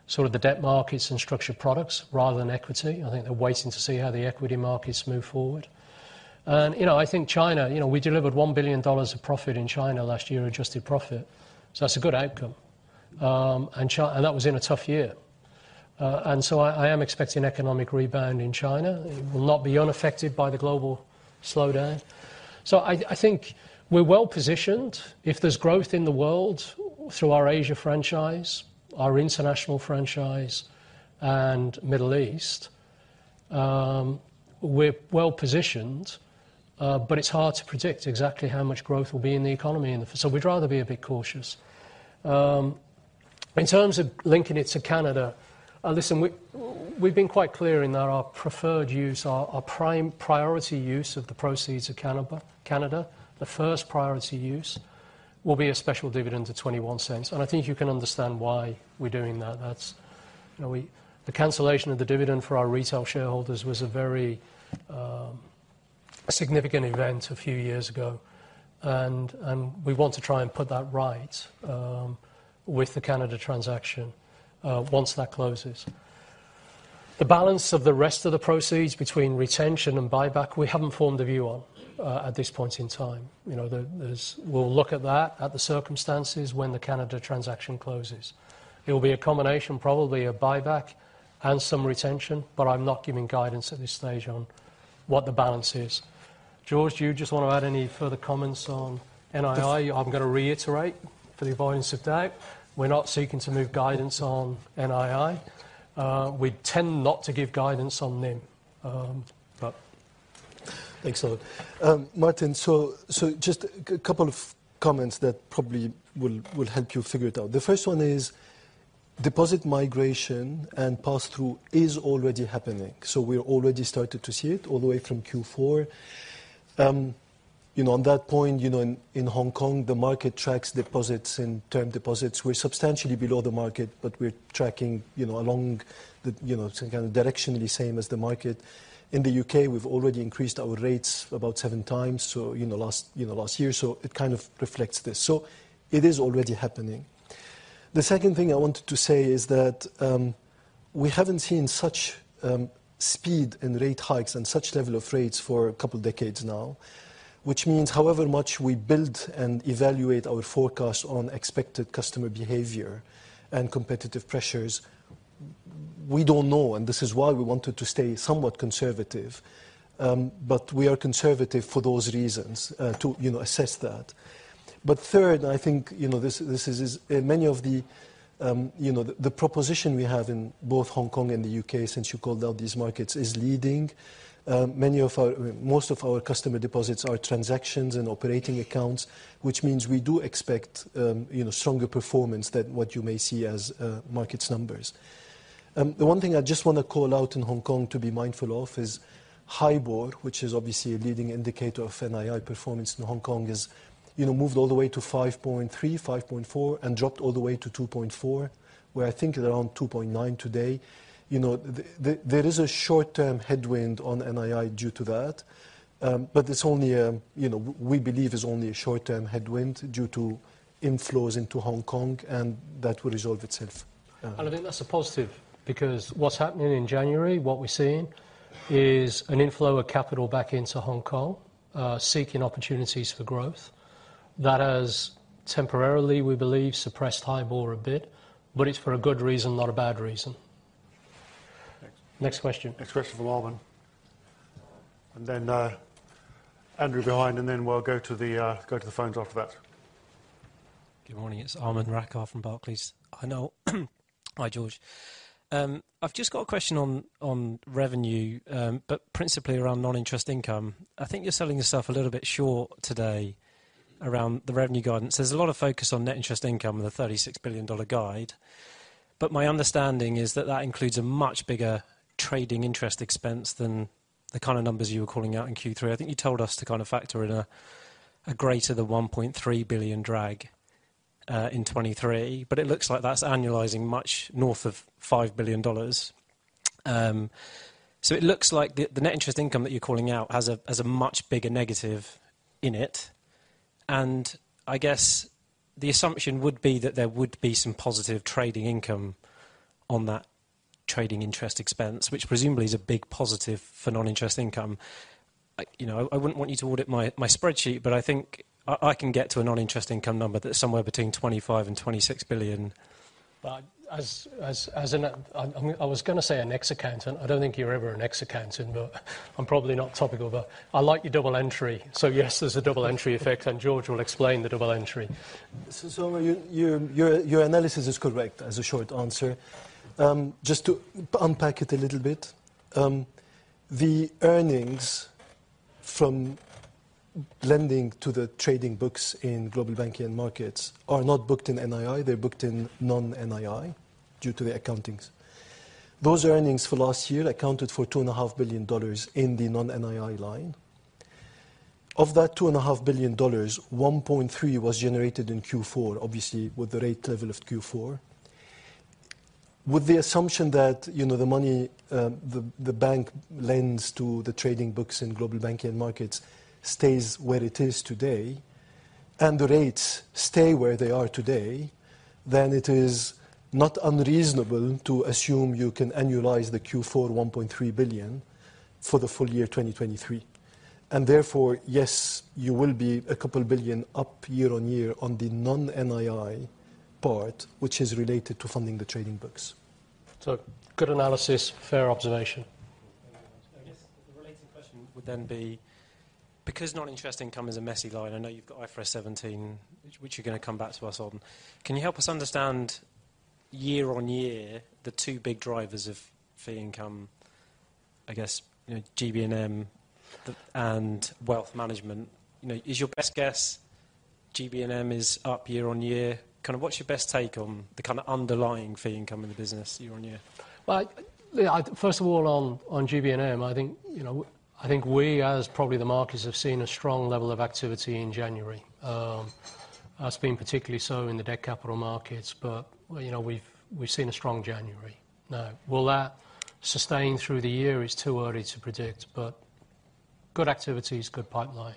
S2: sort of the debt markets and structured products rather than equity. I think they're waiting to see how the equity markets move forward. You know, I think China, you know, we delivered $1 billion of profit in China last year, adjusted profit. That's a good outcome. That was in a tough year. I am expecting economic rebound in China. It will not be unaffected by the global slowdown. I think we're well-positioned. If there's growth in the world through our Asia franchise, our international franchise, and Middle East, we're well-positioned, but it's hard to predict exactly how much growth will be in the economy. We'd rather be a bit cautious. In terms of linking it to HSBC Canada, listen, we've been quite clear in that our preferred use, our priority use of the proceeds of HSBC Canada, the first priority use will be a special dividend to $0.21. I think you can understand why we're doing that. That's, you know, the cancellation of the dividend for our retail shareholders was a very significant event a few years ago. We want to try and put that right with the HSBC Canada transaction once that closes. The balance of the rest of the proceeds between retention and buyback, we haven't formed a view on at this point in time. You know, we'll look at that, at the circumstances when the HSBC Canada transaction closes. It will be a combination, probably a buyback and some retention, but I'm not giving guidance at this stage on what the balance is. George, do you just wanna add any further comments on NII? I'm gonna reiterate for the avoidance of doubt, we're not seeking to move guidance on NII. We tend not to give guidance on NIM.
S3: Thanks, Howard. Martin, so just couple of comments that probably will help you figure it out. The first one is deposit migration and pass-through is already happening, so we already started to see it all the way from Q4. You know, on that point, you know, in Hong Kong, the market tracks deposits and term deposits. We're substantially below the market, but we're tracking, you know, along the, you know, some kind of directionally same as the market. In the U.K., we've already increased our rates about 7x, so in the last year, so it kind of reflects this. It is already happening. The second thing I wanted to say is that we haven't seen such speed and rate hikes and such level of rates for two decades now. Which means however much we build and evaluate our forecast on expected customer behavior and competitive pressures, we don't know, and this is why we wanted to stay somewhat conservative. We are conservative for those reasons, to, you know, assess that. Third, I think, you know, this is in many of the, you know, the proposition we have in both Hong Kong and the U.K., Since you called out these markets, is leading. Many of our, most of our customer deposits are transactions and operating accounts, which means we do expect, you know, stronger performance than what you may see as, markets numbers. The one thing I just wanna call out in Hong Kong to be mindful of is HIBOR, which is obviously a leading indicator of NII performance in Hong Kong, has, you know, moved all the way to 5.3, 5.4, and dropped all the way to 2.4. Where I think it's around 2.9 today. You know, there is a short-term headwind on NII due to that. It's only a, you know, we believe is only a short-term headwind due to inflows into Hong Kong, and that will resolve itself.
S2: I think that's a positive because what's happening in January, what we're seeing is an inflow of capital back into Hong Kong, seeking opportunities for growth. That has temporarily, we believe, suppressed HIBOR a bit, but it's for a good reason, not a bad reason.
S3: Next.
S4: Next question.
S3: Next question from Arman. Andrew behind, and then we'll go to the go to the phones after that.
S7: Good morning. It's Aman Rakkar from Barclays. Hi, George. I've just got a question on revenue, but principally around non-interest income. I think you're selling yourself a little bit short today around the revenue guidance. There's a lot of focus on net interest income with a $36 billion guide. My understanding is that that includes a much bigger trading interest expense than the kind of numbers you were calling out in Q3. I think you told us to kind of factor in a greater than $1.3 billion drag in 2023. It looks like that's annualizing much north of $5 billion. It looks like the net interest income that you're calling out has a much bigger negative in it. I guess the assumption would be that there would be some positive trading income on that trading interest expense, which presumably is a big positive for non-interest income. You know, I wouldn't want you to audit my spreadsheet, but I think I can get to a non-interest income number that's somewhere between $25 billion and $26 billion.
S2: I was gonna say an ex-accountant. I don't think you're ever an ex-accountant, but I'm probably not topical, but I like your double entry. yes, there's a double entry effect, and George will explain the double entry.
S3: Your analysis is correct as a short answer. Just to unpack it a little bit. The earnings from lending to the trading books in Global Banking and Markets are not booked in NII, they're booked in non-NII due to the accountings. Those earnings for last year accounted for $2.5 billion in the non-NII line. Of that $2.5 billion, $1.3 billion was generated in Q4, obviously, with the rate level of Q4. With the assumption that, you know, the money the bank lends to the trading books in Global Banking and Markets stays where it is today, and the rates stay where they are today, then it is not unreasonable to assume you can annualize the Q4 $1.3 billion for the full year 2023. Therefore, yes, you will be $2 billion up year-on-year on the non-NII part, which is related to funding the trading books.
S2: Good analysis, fair observation.
S7: I guess the related question would then be, because non-interest income is a messy line, I know you've got IFRS 17, which you're gonna come back to us on. Can you help us understand year-on-year the two big drivers of fee income, I guess, you know, GB&M and wealth management? You know, is your best guess GB&M is up year-on-year? Kind of what's your best take on the kinda underlying fee income in the business year-on-year?
S2: Well, first of all, on GB&M, I think, you know, I think we, as probably the markets, have seen a strong level of activity in January. That's been particularly so in the debt capital markets, but, you know, we've seen a strong January. Now, will that sustain through the year? It's too early to predict, but good activities, good pipeline.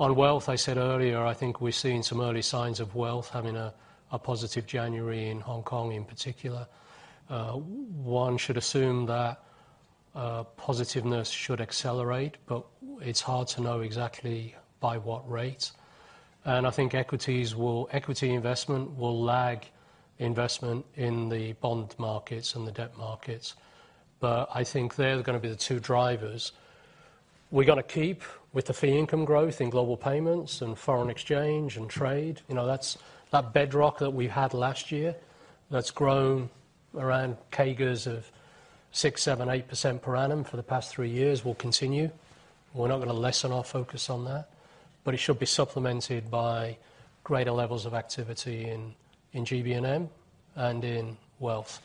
S2: On wealth, I said earlier, I think we're seeing some early signs of wealth having a positive January in Hong Kong in particular. One should assume that positiveness should accelerate, but it's hard to know exactly by what rate. I think equity investment will lag investment in the bond markets and the debt markets. I think they're gonna be the two drivers. We're gonna keep with the fee income growth in global payments and foreign exchange and trade. You know, That bedrock that we had last year, that's grown around CAGRs of 6%, 7%, 8% per annum for the past three years will continue. We're not gonna lessen our focus on that. It should be supplemented by greater levels of activity in GB&M and in wealth.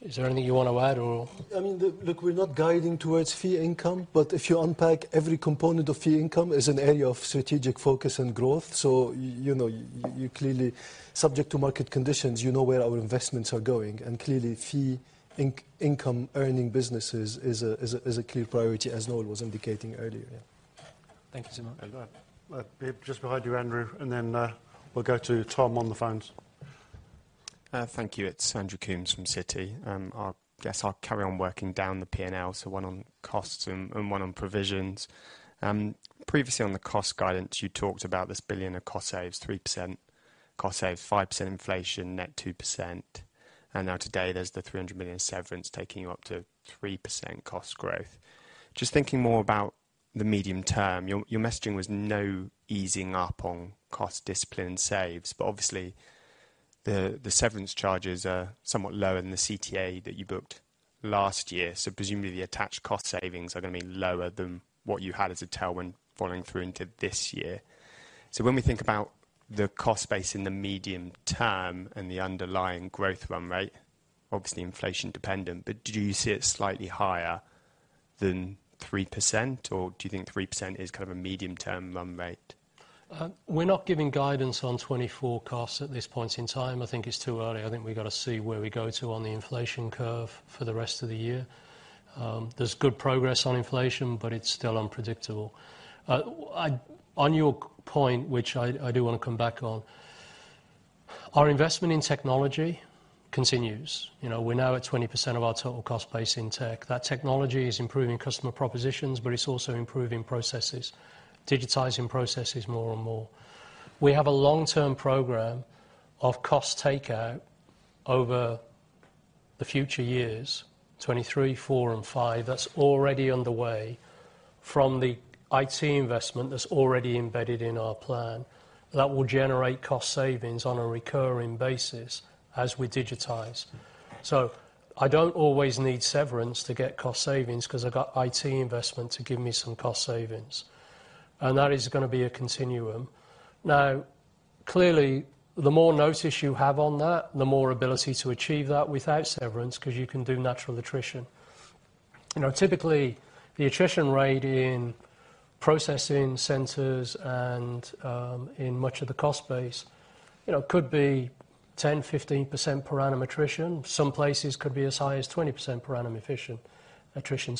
S2: Is there anything you wanna add or?
S3: I mean, look, we're not guiding towards fee income, but if you unpack every component of fee income is an area of strategic focus and growth. You know, you clearly, subject to market conditions, you know where our investments are going. Clearly fee income earning businesses is a clear priority, as Noel was indicating earlier.
S2: Thank you so much.
S4: Just behind you, Andrew, we'll go to Tom on the phones.
S8: Thank you. It's Andrew Coombs from Citi. I guess I'll carry on working down the P&L, so one on costs and one on provisions. Previously on the cost guidance, you talked about this $1 billion of cost saves, 3% cost saves, 5% inflation, net 2%. Now today there's the $300 million severance taking you up to 3% cost growth. Just thinking more about the medium term, your messaging was no easing up on cost discipline saves, but obviously the severance charges are somewhat lower than the CTA that you booked last year. Presumably the attached cost savings are gonna be lower than what you had as a tailwind following through into this year. When we think about the cost base in the medium term and the underlying growth run rate, obviously inflation dependent, but do you see it slightly higher than 3%, or do you think 3% is kind of a medium-term run rate?
S2: We're not giving guidance on 2024 costs at this point in time. I think it's too early. I think we've gotta see where we go to on the inflation curve for the rest of the year. There's good progress on inflation, but it's still unpredictable. On your point, which I do wanna come back on, our investment in technology continues. You know, we're now at 20% of our total cost base in tech. That technology is improving customer propositions, but it's also improving processes, digitizing processes more and more. We have a long-term program of cost takeout over the future years, 2023, 2024, and 2025. That's already underway from the IT investment that's already embedded in our plan. That will generate cost savings on a recurring basis as we digitize. I don't always need severance to get cost savings because I've got IT investment to give me some cost savings. That is gonna be a continuum. Clearly the more notice you have on that, the more ability to achieve that without severance because you can do natural attrition. You know, typically the attrition rate in processing centers and in much of the cost base, you know, could be 10%, 15% per annum attrition. Some places could be as high as 20% per annum attrition.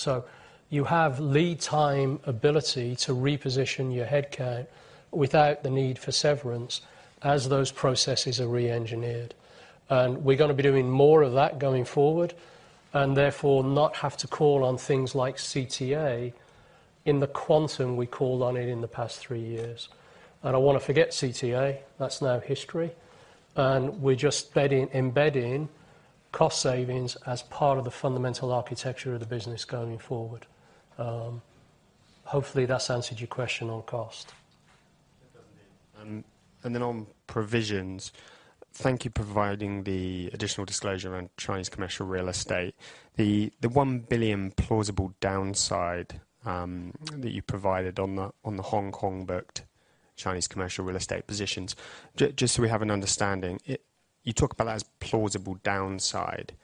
S2: You have lead time ability to reposition your headcount without the need for severance as those processes are re-engineered. We're gonna be doing more of that going forward and therefore not have to call on things like CTA in the quantum we called on it in the past three years. I wanna forget CTA. That's now history. We're just embedding cost savings as part of the fundamental architecture of the business going forward. Hopefully that's answered your question on cost.
S8: It does indeed. On provisions, thank you for providing the additional disclosure around Chinese commercial real estate. The $1 billion plausible downside that you provided on the Hong Kong booked Chinese commercial real estate positions. Just so we have an understanding, you talk about that as plausible downside.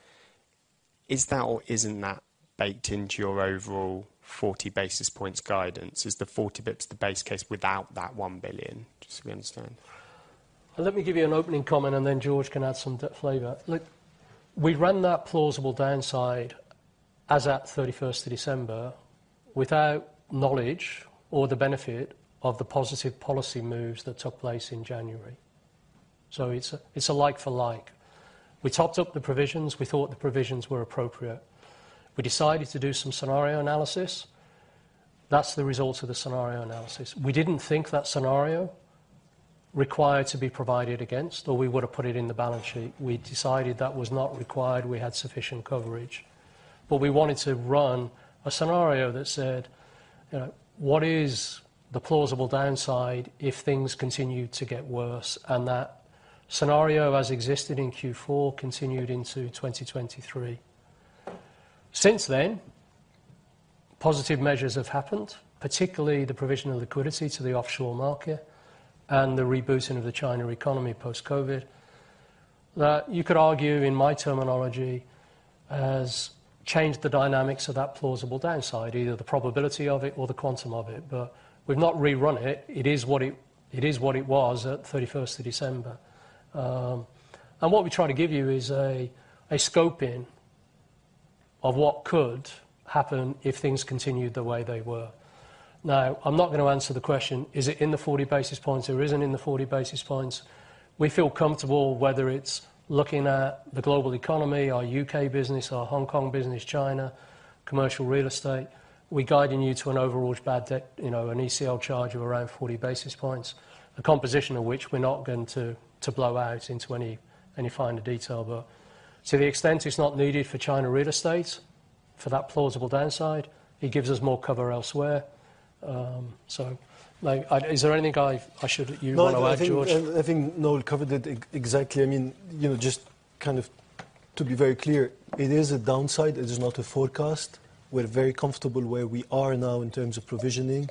S8: Is that or isn't that baked into your overall 40 basis points guidance? Is the 40 bits the base case without that $1 billion? Just so we understand.
S2: Let me give you an opening comment, and then George can add some flavor. Look, we ran that plausible downside as at 31st of December without knowledge or the benefit of the positive policy moves that took place in January. It's a like for like. We topped up the provisions. We thought the provisions were appropriate. We decided to do some scenario analysis. That's the result of the scenario analysis. We didn't think that scenario required to be provided against, or we would have put it in the balance sheet. We decided that was not required. We had sufficient coverage. We wanted to run a scenario that said, you know, what is the plausible downside if things continue to get worse? That scenario, as existed in Q4, continued into 2023. Since then, positive measures have happened, particularly the provision of liquidity to the offshore market and the rebooting of the China economy post-COVID, that you could argue, in my terminology, has changed the dynamics of that plausible downside, either the probability of it or the quantum of it. We've not rerun it. It is what it was at 31st of December. And what we try to give you is a scope in of what could happen if things continued the way they were. I'm not gonna answer the question, is it in the 40 basis points or isn't in the 40 basis points? We feel comfortable whether it's looking at the global economy, our U.K. business, our Hong Kong business, China, commercial real estate. We're guiding you to an overall bad debt, you know, an ECL charge of around 40 basis points. The composition of which we're not going to blow out into any finer detail. To the extent it's not needed for China real estate, for that plausible downside, it gives us more cover elsewhere. like, is there anything I should you wanna add, George?
S3: I think Noel covered it exactly. I mean, you know, just kind of to be very clear, it is a downside, it is not a forecast. We're very comfortable where we are now in terms of provisioning.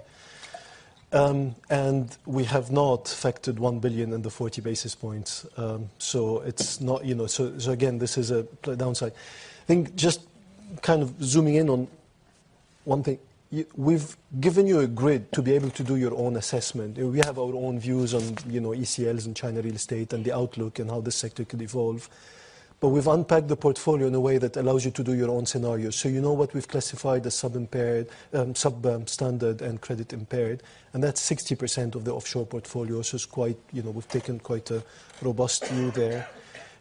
S3: We have not factored $1 billion in the 40 basis points, it's not, you know. Again, this is a downside. I think just kind of zooming in on one thing. We've given you a grid to be able to do your own assessment. We have our own views on, you know, ECLs and China real estate and the outlook and how this sector could evolve. We've unpacked the portfolio in a way that allows you to do your own scenarios. You know what we've classified as sub impaired, sub standard and credit impaired. That's 60% of the offshore portfolio, so it's quite, you know, we've taken quite a robust view there.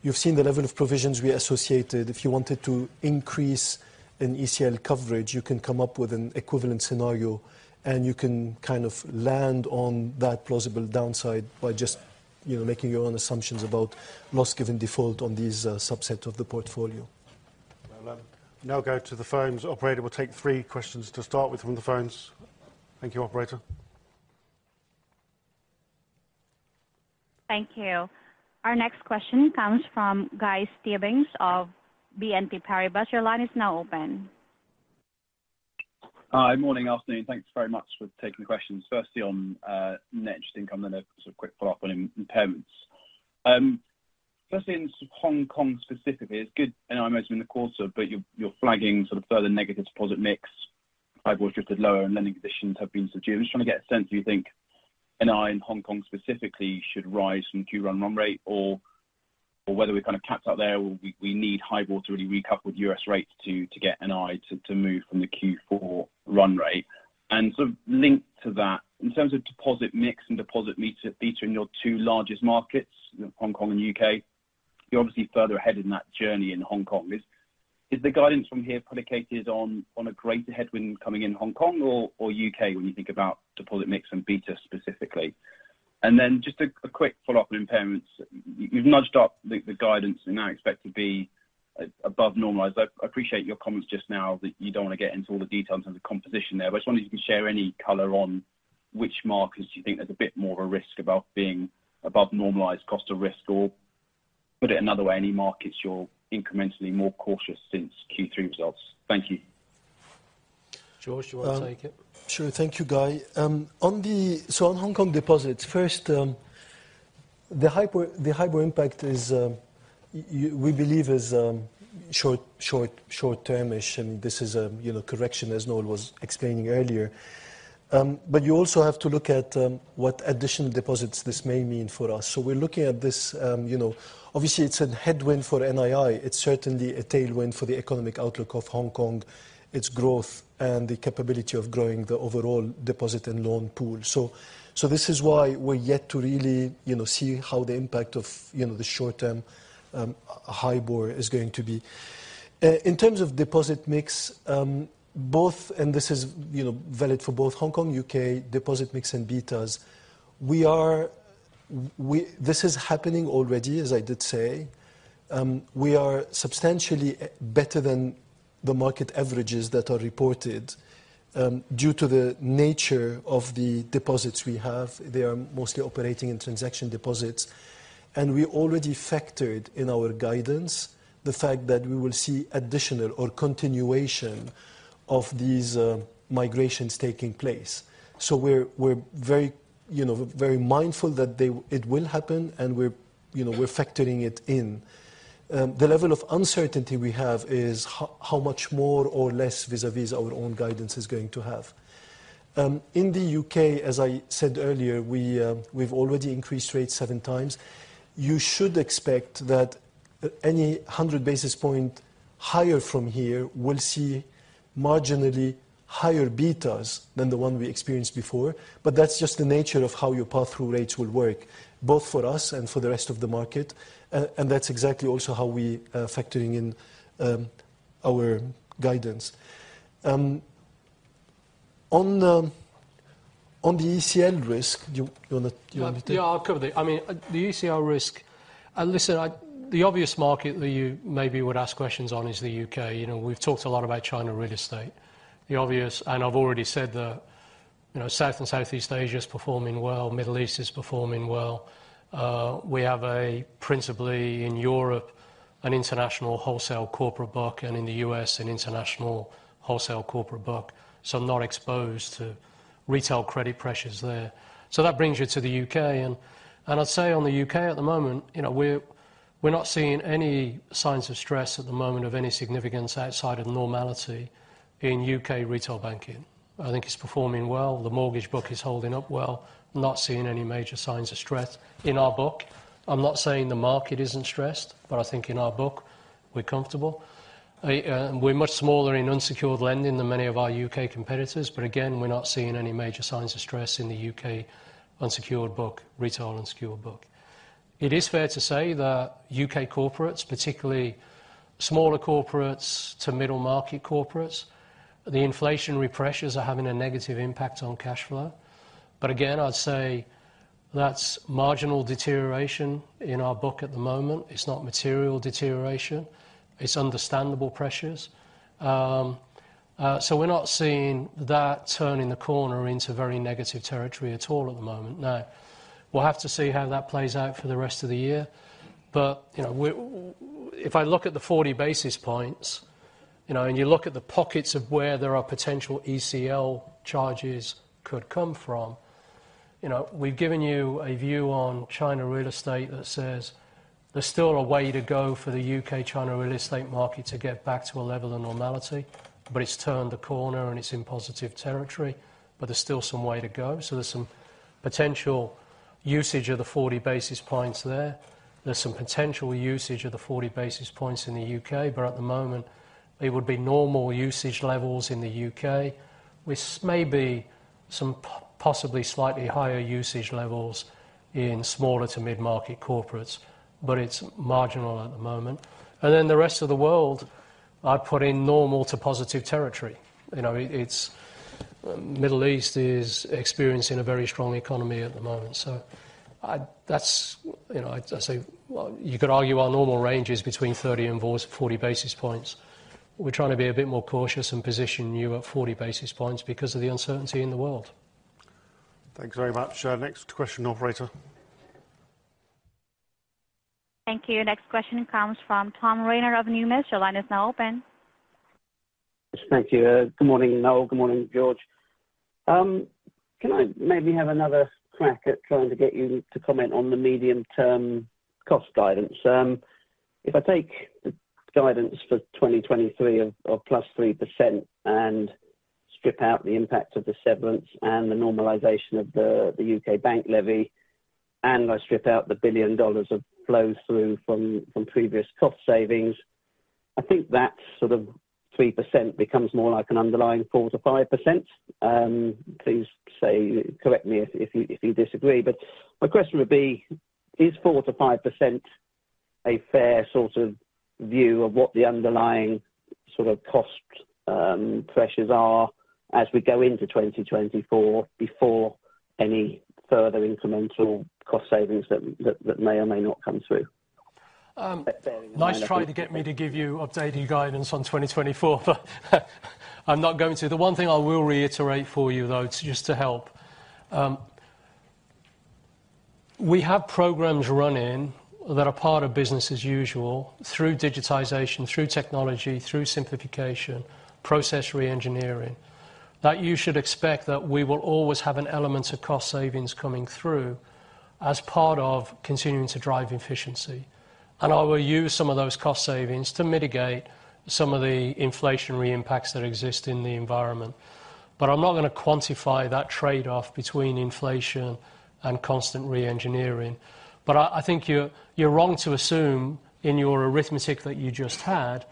S3: You've seen the level of provisions we associated. If you wanted to increase an ECL coverage, you can come up with an equivalent scenario, and you can kind of land on that plausible downside by just, you know, making your own assumptions about loss given default on these subset of the portfolio.
S4: Now go to the phones. Operator will take 3 questions to start with from the phones. Thank you, operator.
S1: Thank you. Our next question comes from Guy Stebbings of BNP Paribas. Your line is now open.
S9: Hi. Morning, afternoon, thanks very much for taking the questions. Firstly on net interest income, then a sort of quick follow-up on impairments. Firstly in Hong Kong specifically, it's good, I know I mentioned in the quarter, but you're flagging sort of further negative deposit mix, HIBOR drifted lower and lending conditions have been subdued. I'm just trying to get a sense, do you think NII in Hong Kong specifically should rise from Q run rate or whether we're kind of capped out there or we need HIBOR to really recouple with U.S. rates to get NII to move from the Q4 run rate? Sort of linked to that, in terms of deposit mix and deposit beta in your two largest markets, Hong Kong and U.K., you're obviously further ahead in that journey in Hong Kong. Is the guidance from here predicated on a greater headwind coming in Hong Kong or U.K. When you think about deposit mix and beta specifically? Then just a quick follow-up on impairments. You've nudged up the guidance and now expect to be above normalized. I appreciate your comments just now that you don't want to get into all the details in terms of composition there, but I just wonder if you can share any color on which markets do you think there's a bit more of a risk about being above normalized cost of risk? Or put it another way, any markets you're incrementally more cautious since Q3 results. Thank you.
S2: George, you wanna take it?
S3: Sure. Thank you, Guy. On Hong Kong deposits, first, the HIBOR, the HIBOR impact is we believe is short-term-ish, and this is a, you know, correction as Noel was explaining earlier. You also have to look at what additional deposits this may mean for us. We're looking at this, you know, obviously it's a headwind for NII. It's certainly a tailwind for the economic outlook of Hong Kong, its growth and the capability of growing the overall deposit and loan pool. This is why we're yet to really, you know, see how the impact of, you know, the short-term HIBOR is going to be. In terms of deposit mix, both and this is, you know, valid for both Hong Kong, U.K. deposit mix and betas. This is happening already, as I did say. We are substantially e-better than the market averages that are reported due to the nature of the deposits we have. They are mostly operating in transaction deposits. We already factored in our guidance the fact that we will see additional or continuation of these migrations taking place. We're very, you know, very mindful that it will happen and we're, you know, we're factoring it in. The level of uncertainty we have is how much more or less vis-à-vis our own guidance is going to have. In the U.K., as I said earlier, we've already increased rates 7x. You should expect that any 100 basis point higher from here will see marginally higher betas than the one we experienced before. That's just the nature of how your pass-through rates will work, both for us and for the rest of the market. And that's exactly also how we factoring in our guidance. On the ECL risk, do you wanna take?
S2: Yeah, I'll cover the, I mean, the ECL risk. Listen, the obvious market that you maybe would ask questions on is the U.K. You know, we've talked a lot about China real estate. The obvious, and I've already said that, you know, South and Southeast Asia is performing well, Middle East is performing well. We have a principally in Europe, an international wholesale corporate book, and in the U.S. an international wholesale corporate book. Not exposed to retail credit pressures there. That brings you to the U.K. I'd say on the U.K. at the moment, you know, We're not seeing any signs of stress at the moment of any significance outside of normality in U.K. retail banking. I think it's performing well. The mortgage book is holding up well. Not seeing any major signs of stress in our book. I'm not saying the market isn't stressed, but I think in our book we're comfortable. We're much smaller in unsecured lending than many of our U.K. competitors, but again, we're not seeing any major signs of stress in the U.K. Unsecured book, retail unsecured book. It is fair to say that U.K. corporates, particularly smaller corporates to middle market corporates, the inflationary pressures are having a negative impact on cash flow. I'd say that's marginal deterioration in our book at the moment. It's not material deterioration. It's understandable pressures. We're not seeing that turning the corner into very negative territory at all at the moment. No. We'll have to see how that plays out for the rest of the year. You know, we if I look at the 40 basis points, you know, and you look at the pockets of where there are potential ECL charges could come from. You know, we've given you a view on China real estate that says there's still a way to go for the U.K.-China real estate market to get back to a level of normality, but it's turned the corner and it's in positive territory, but there's still some way to go. There's some potential usage of the 40 basis points there. There's some potential usage of the 40 basis points in the U.K., but at the moment it would be normal usage levels in the U.K., which may be some possibly slightly higher usage levels in smaller to mid-market corporates, but it's marginal at the moment. Then the rest of the world, I'd put in normal to positive territory. You know, it's Middle East is experiencing a very strong economy at the moment. That's, you know, I'd say you could argue our normal range is between 30 and 40 basis points. We're trying to be a bit more cautious and position you at 40 basis points because of the uncertainty in the world.
S4: Thanks very much. Next question, operator.
S1: Thank you. Next question comes from Tom Rayner of Numis. Your line is now open.
S8: Thank you. Good morning, Noel. Good morning, George. Can I maybe have another crack at trying to get you to comment on the medium-term cost guidance? If I take the guidance for 2023 of +3% and strip out the impact of the severance and the normalization of the U.K. bank levy, and I strip out the $1 billion of flow through from previous cost savings, I think that sort of 3% becomes more like an underlying 4%-5%. Please correct me if you disagree, but my question would be, is 4%-5% a fair sort of view of what the underlying sort of cost pressures are as we go into 2024 before any further incremental cost savings that may or may not come through?
S2: Nice try to get me to give you updated guidance on 2024, but I'm not going to. The one thing I will reiterate for you, though, just to help, we have programs running that are part of business as usual through digitization, through technology, through simplification, process reengineering, that you should expect that we will always have an element of cost savings coming through as part of continuing to drive efficiency. I will use some of those cost savings to mitigate some of the inflationary impacts that exist in the environment. I'm not going to quantify that trade-off between inflation and constant reengineering. I think you're wrong to assume in your arithmetic that you just had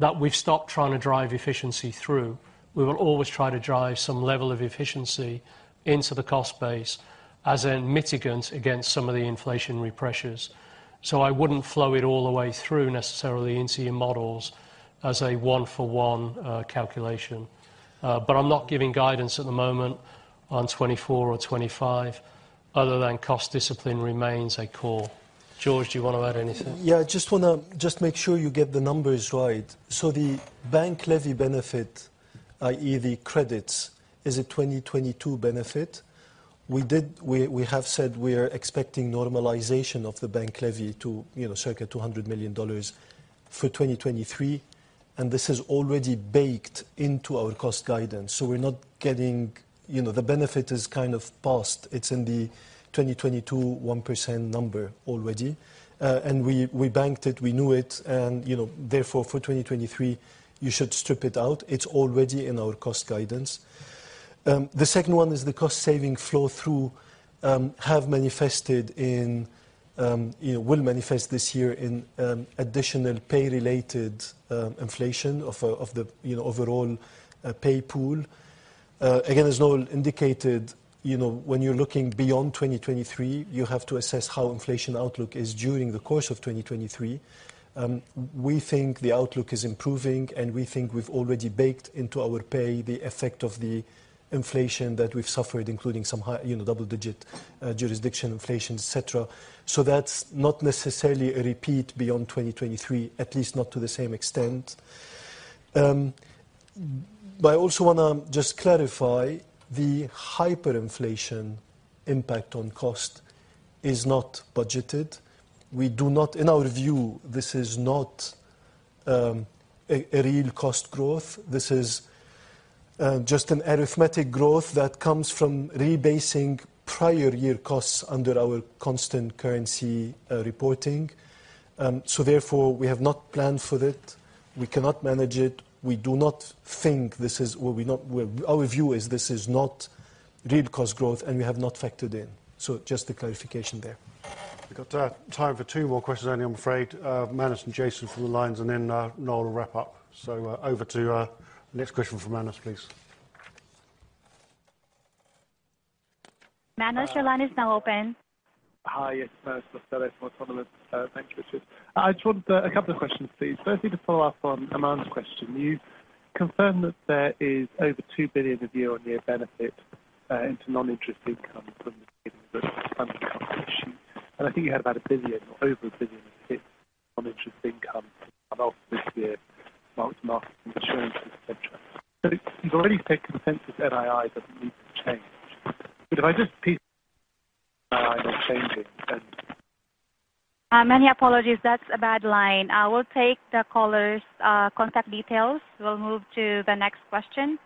S2: that we've stopped trying to drive efficiency through. We will always try to drive some level of efficiency into the cost base as a mitigant against some of the inflationary pressures. I wouldn't flow it all the way through necessarily into your models as a one for one calculation. I'm not giving guidance at the moment on 24 or 25 other than cost discipline remains a core. George, do you want to add anything?
S3: I just want to make sure you get the numbers right. The bank levy benefit, i.e. the credits, is a 2022 benefit. We have said we are expecting normalization of the bank levy to, you know, circa $200 million for 2023, this is already baked into our cost guidance. We're not getting. You know, the benefit is kind of passed. It's in the 2022 1% number already. We banked it, we knew it, you know, therefore for 2023, you should strip it out. It's already in our cost guidance. The second one is the cost saving flow through, you know, will manifest this year in additional pay-related inflation of the, you know, overall pay pool. Again, as Noel indicated, you know, when you're looking beyond 2023, you have to assess how inflation outlook is during the course of 2023. We think the outlook is improving, and we think we've already baked into our pay the effect of the inflation that we've suffered, including some high, you know, double digit jurisdiction inflation, et cetera. That's not necessarily a repeat beyond 2023, at least not to the same extent. I also want to just clarify the hyperinflation impact on cost is not budgeted. In our view, this is not a real cost growth. Just an arithmetic growth that comes from rebasing prior year costs under our constant currency reporting. Therefore, we have not planned for it. We cannot manage it. Well, our view is this is not real cost growth, and we have not factored in. Just a clarification there.
S4: We've got time for two more questions only, I'm afraid. Manus and Jason from the lines and then Noel will wrap up. Over to next question from Manus please.
S1: Manus, your line is now open.
S10: Hi, yes. Manus Costello from Autonomous. Thank you. I just wanted a couple of questions, please. Firstly, to follow up on Aman's question. You confirmed that there is over $2 billion of year-on-year benefit into non-interest income from the trading book sheet. I think you had about $1 billion or over $1 billion in non-interest income off this year market insurance, et cetera. You've already said consensus NII doesn't need to change. If I just piece NII not changing.
S1: Many apologies. That's a bad line. I will take the caller's contact details. We'll move to the next question.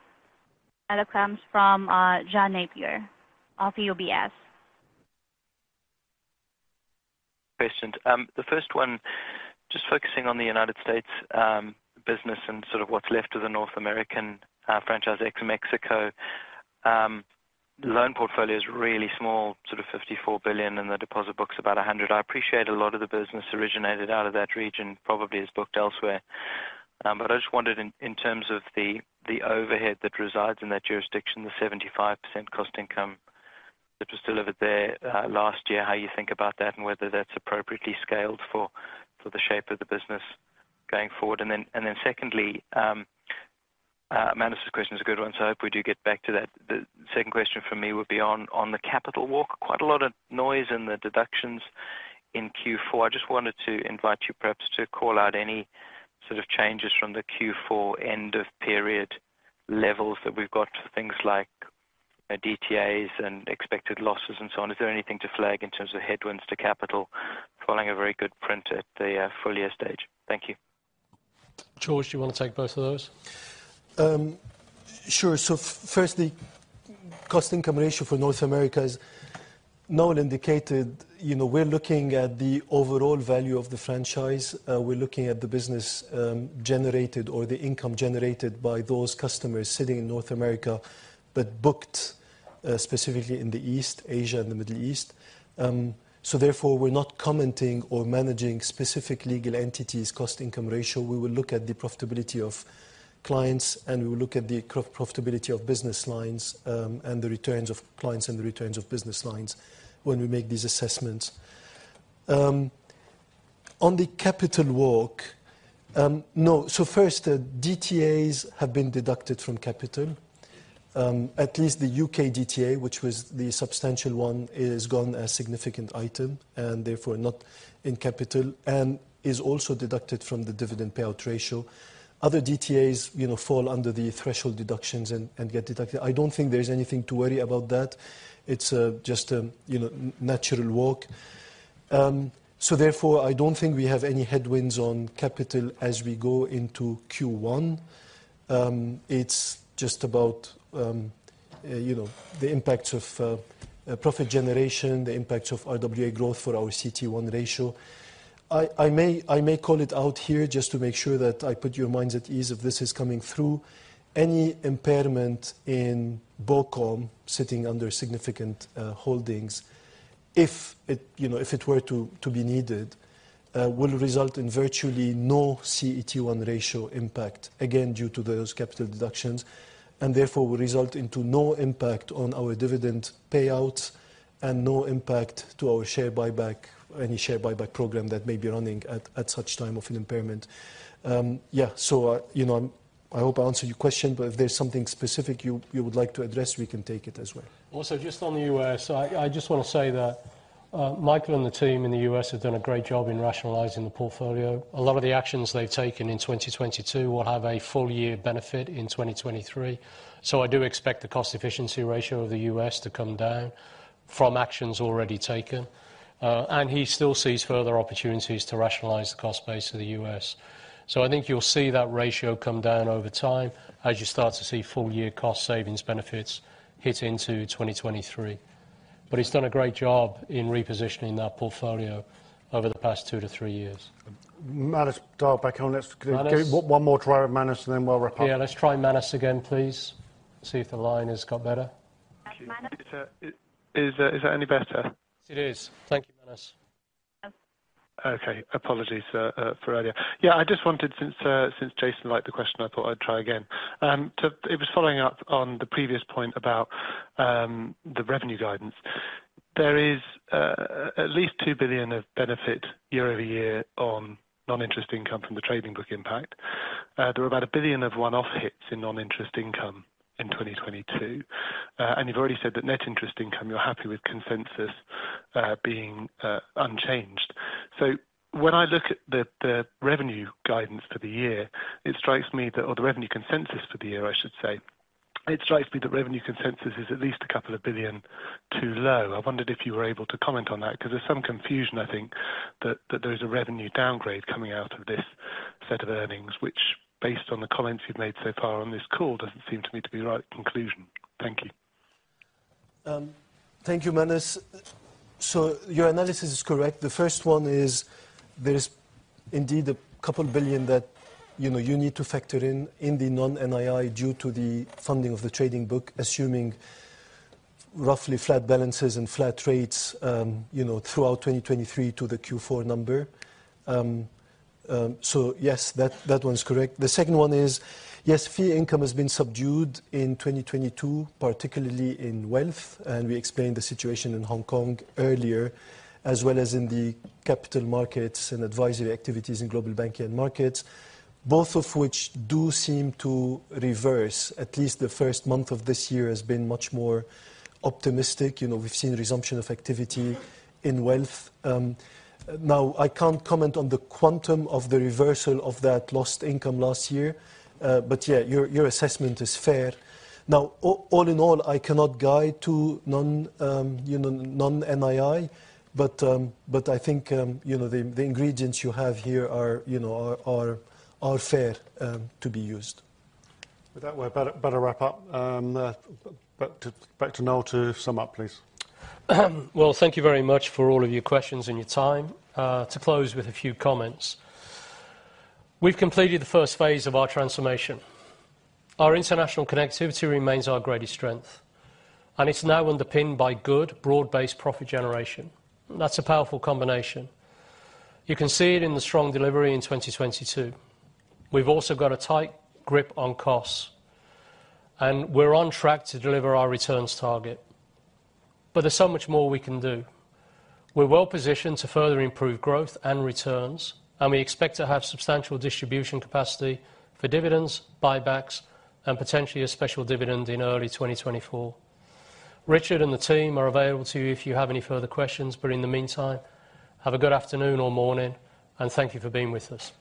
S1: It comes from Jason Napier of UBS.
S11: Questions. The first one, just focusing on the United States business and sort of what's left of the North American franchise ex Mexico. Loan portfolio is really small, sort of $54 billion, and the deposit book's about $100. I appreciate a lot of the business originated out of that region probably is booked elsewhere. But I just wondered in terms of the overhead that resides in that jurisdiction, the 75% cost income that was delivered there last year, how you think about that and whether that's appropriately scaled for the shape of the business going forward. Secondly, Manus' question is a good one, so I hope we do get back to that. The second question from me would be on the capital walk. Quite a lot of noise in the deductions in Q4. I just wanted to invite you perhaps to call out any sort of changes from the Q4 end of period levels that we've got for things like DTAs and expected losses and so on. Is there anything to flag in terms of headwinds to capital following a very good print at the full year stage? Thank you.
S2: George, do you wanna take both of those?
S3: Sure. Firstly, cost income ratio for North America, as Noel indicated, you know, we're looking at the overall value of the franchise. We're looking at the business generated or the income generated by those customers sitting in North America, but booked specifically in East Asia and the Middle East. Therefore, we're not commenting or managing specific legal entities' cost income ratio. We will look at the profitability of clients, and we will look at the profitability of business lines, and the returns of clients and the returns of business lines when we make these assessments. On the capital walk, no. First, DTAs have been deducted from capital. At least the U.K. DTA, which was the substantial one, is gone a significant item and therefore not in capital and is also deducted from the dividend payout ratio. Other DTAs, you know, fall under the threshold deductions and get deducted. I don't think there is anything to worry about that. It's just, you know, natural walk. Therefore, I don't think we have any headwinds on capital as we go into Q1. It's just about, you know, the impacts of profit generation, the impacts of RWA growth for our CET1 ratio. I may call it out here just to make sure that I put your minds at ease if this is coming through. Any impairment in BOCOM sitting under significant holdings, if it, you know, if it were to be needed, will result in virtually no CET1 ratio impact, again, due to those capital deductions, and therefore will result into no impact on our dividend payout and no impact to our share buyback or any share buyback program that may be running at such time of an impairment. Yeah. You know, I hope I answered your question, but if there's something specific you would like to address, we can take it as well.
S2: Just on the U.S., I just wanna say that Michael and the team in the U.S. have done a great job in rationalizing the portfolio. A lot of the actions they've taken in 2022 will have a full year benefit in 2023. I do expect the cost efficiency ratio of the U.S. to come down from actions already taken. He still sees further opportunities to rationalize the cost base of the U.S. I think you'll see that ratio come down over time as you start to see full year cost savings benefits hit into 2023. He's done a great job in repositioning that portfolio over the past two-three years. Manus, dial back on.
S3: Manus.
S4: One more try at Manus, and then we'll wrap up.
S2: Let's try Manus again, please. See if the line has got better.
S1: Manus.
S10: Is that any better?
S3: It is. Thank you, Manus.
S10: Okay. Apologies for earlier. I just wanted since since Jason liked the question, I thought I'd try again. It was following up on the previous point about the revenue guidance. There is at least $2 billion of benefit year-over-year on non-interest income from the trading book impact. There were about $1 billion of one-off hits in non-interest income in 2022. You've already said that net interest income, you're happy with consensus being unchanged. When I look at the revenue guidance for the year, it strikes me that or the revenue consensus for the year, I should say, it strikes me that revenue consensus is at least a couple of billion too low. I wondered if you were able to comment on that because there's some confusion, I think that there is a revenue downgrade coming out of this set of earnings, which based on the comments you've made so far on this call, doesn't seem to me to be the right conclusion. Thank you.
S3: Thank you, Manus. Your analysis is correct. The first one is there is indeed $2 billion that, you know, you need to factor in in the non-NII due to the funding of the trading book, assuming roughly flat balances and flat rates, you know, throughout 2023 to the Q4 number. Yes, that one's correct. The second one is, yes, fee income has been subdued in 2022, particularly in wealth, and we explained the situation in Hong Kong earlier, as well as in the capital markets and advisory activities in Global Banking and Markets, both of which do seem to reverse. At least the first month of this year has been much more optimistic. You know, we've seen resumption of activity in wealth. Now, I can't comment on the quantum of the reversal of that lost income last year. Yeah, your assessment is fair. All in all, I cannot guide to non, you know, non-NII, but I think, you know, the ingredients you have here are, you know, fair to be used.
S4: With that, we better wrap up. Back to Noel to sum up, please.
S2: Well, thank you very much for all of your questions and your time. To close with a few comments. We've completed the first phase of our transformation. Our international connectivity remains our greatest strength, and it's now underpinned by good, broad-based profit generation. That's a powerful combination. You can see it in the strong delivery in 2022. We've also got a tight grip on costs, and we're on track to deliver our returns target. There's so much more we can do. We're well positioned to further improve growth and returns, and we expect to have substantial distribution capacity for dividends, buybacks, and potentially a special dividend in early 2024. Richard and the team are available to you if you have any further questions. In the meantime, have a good afternoon or morning, and thank you for being with us.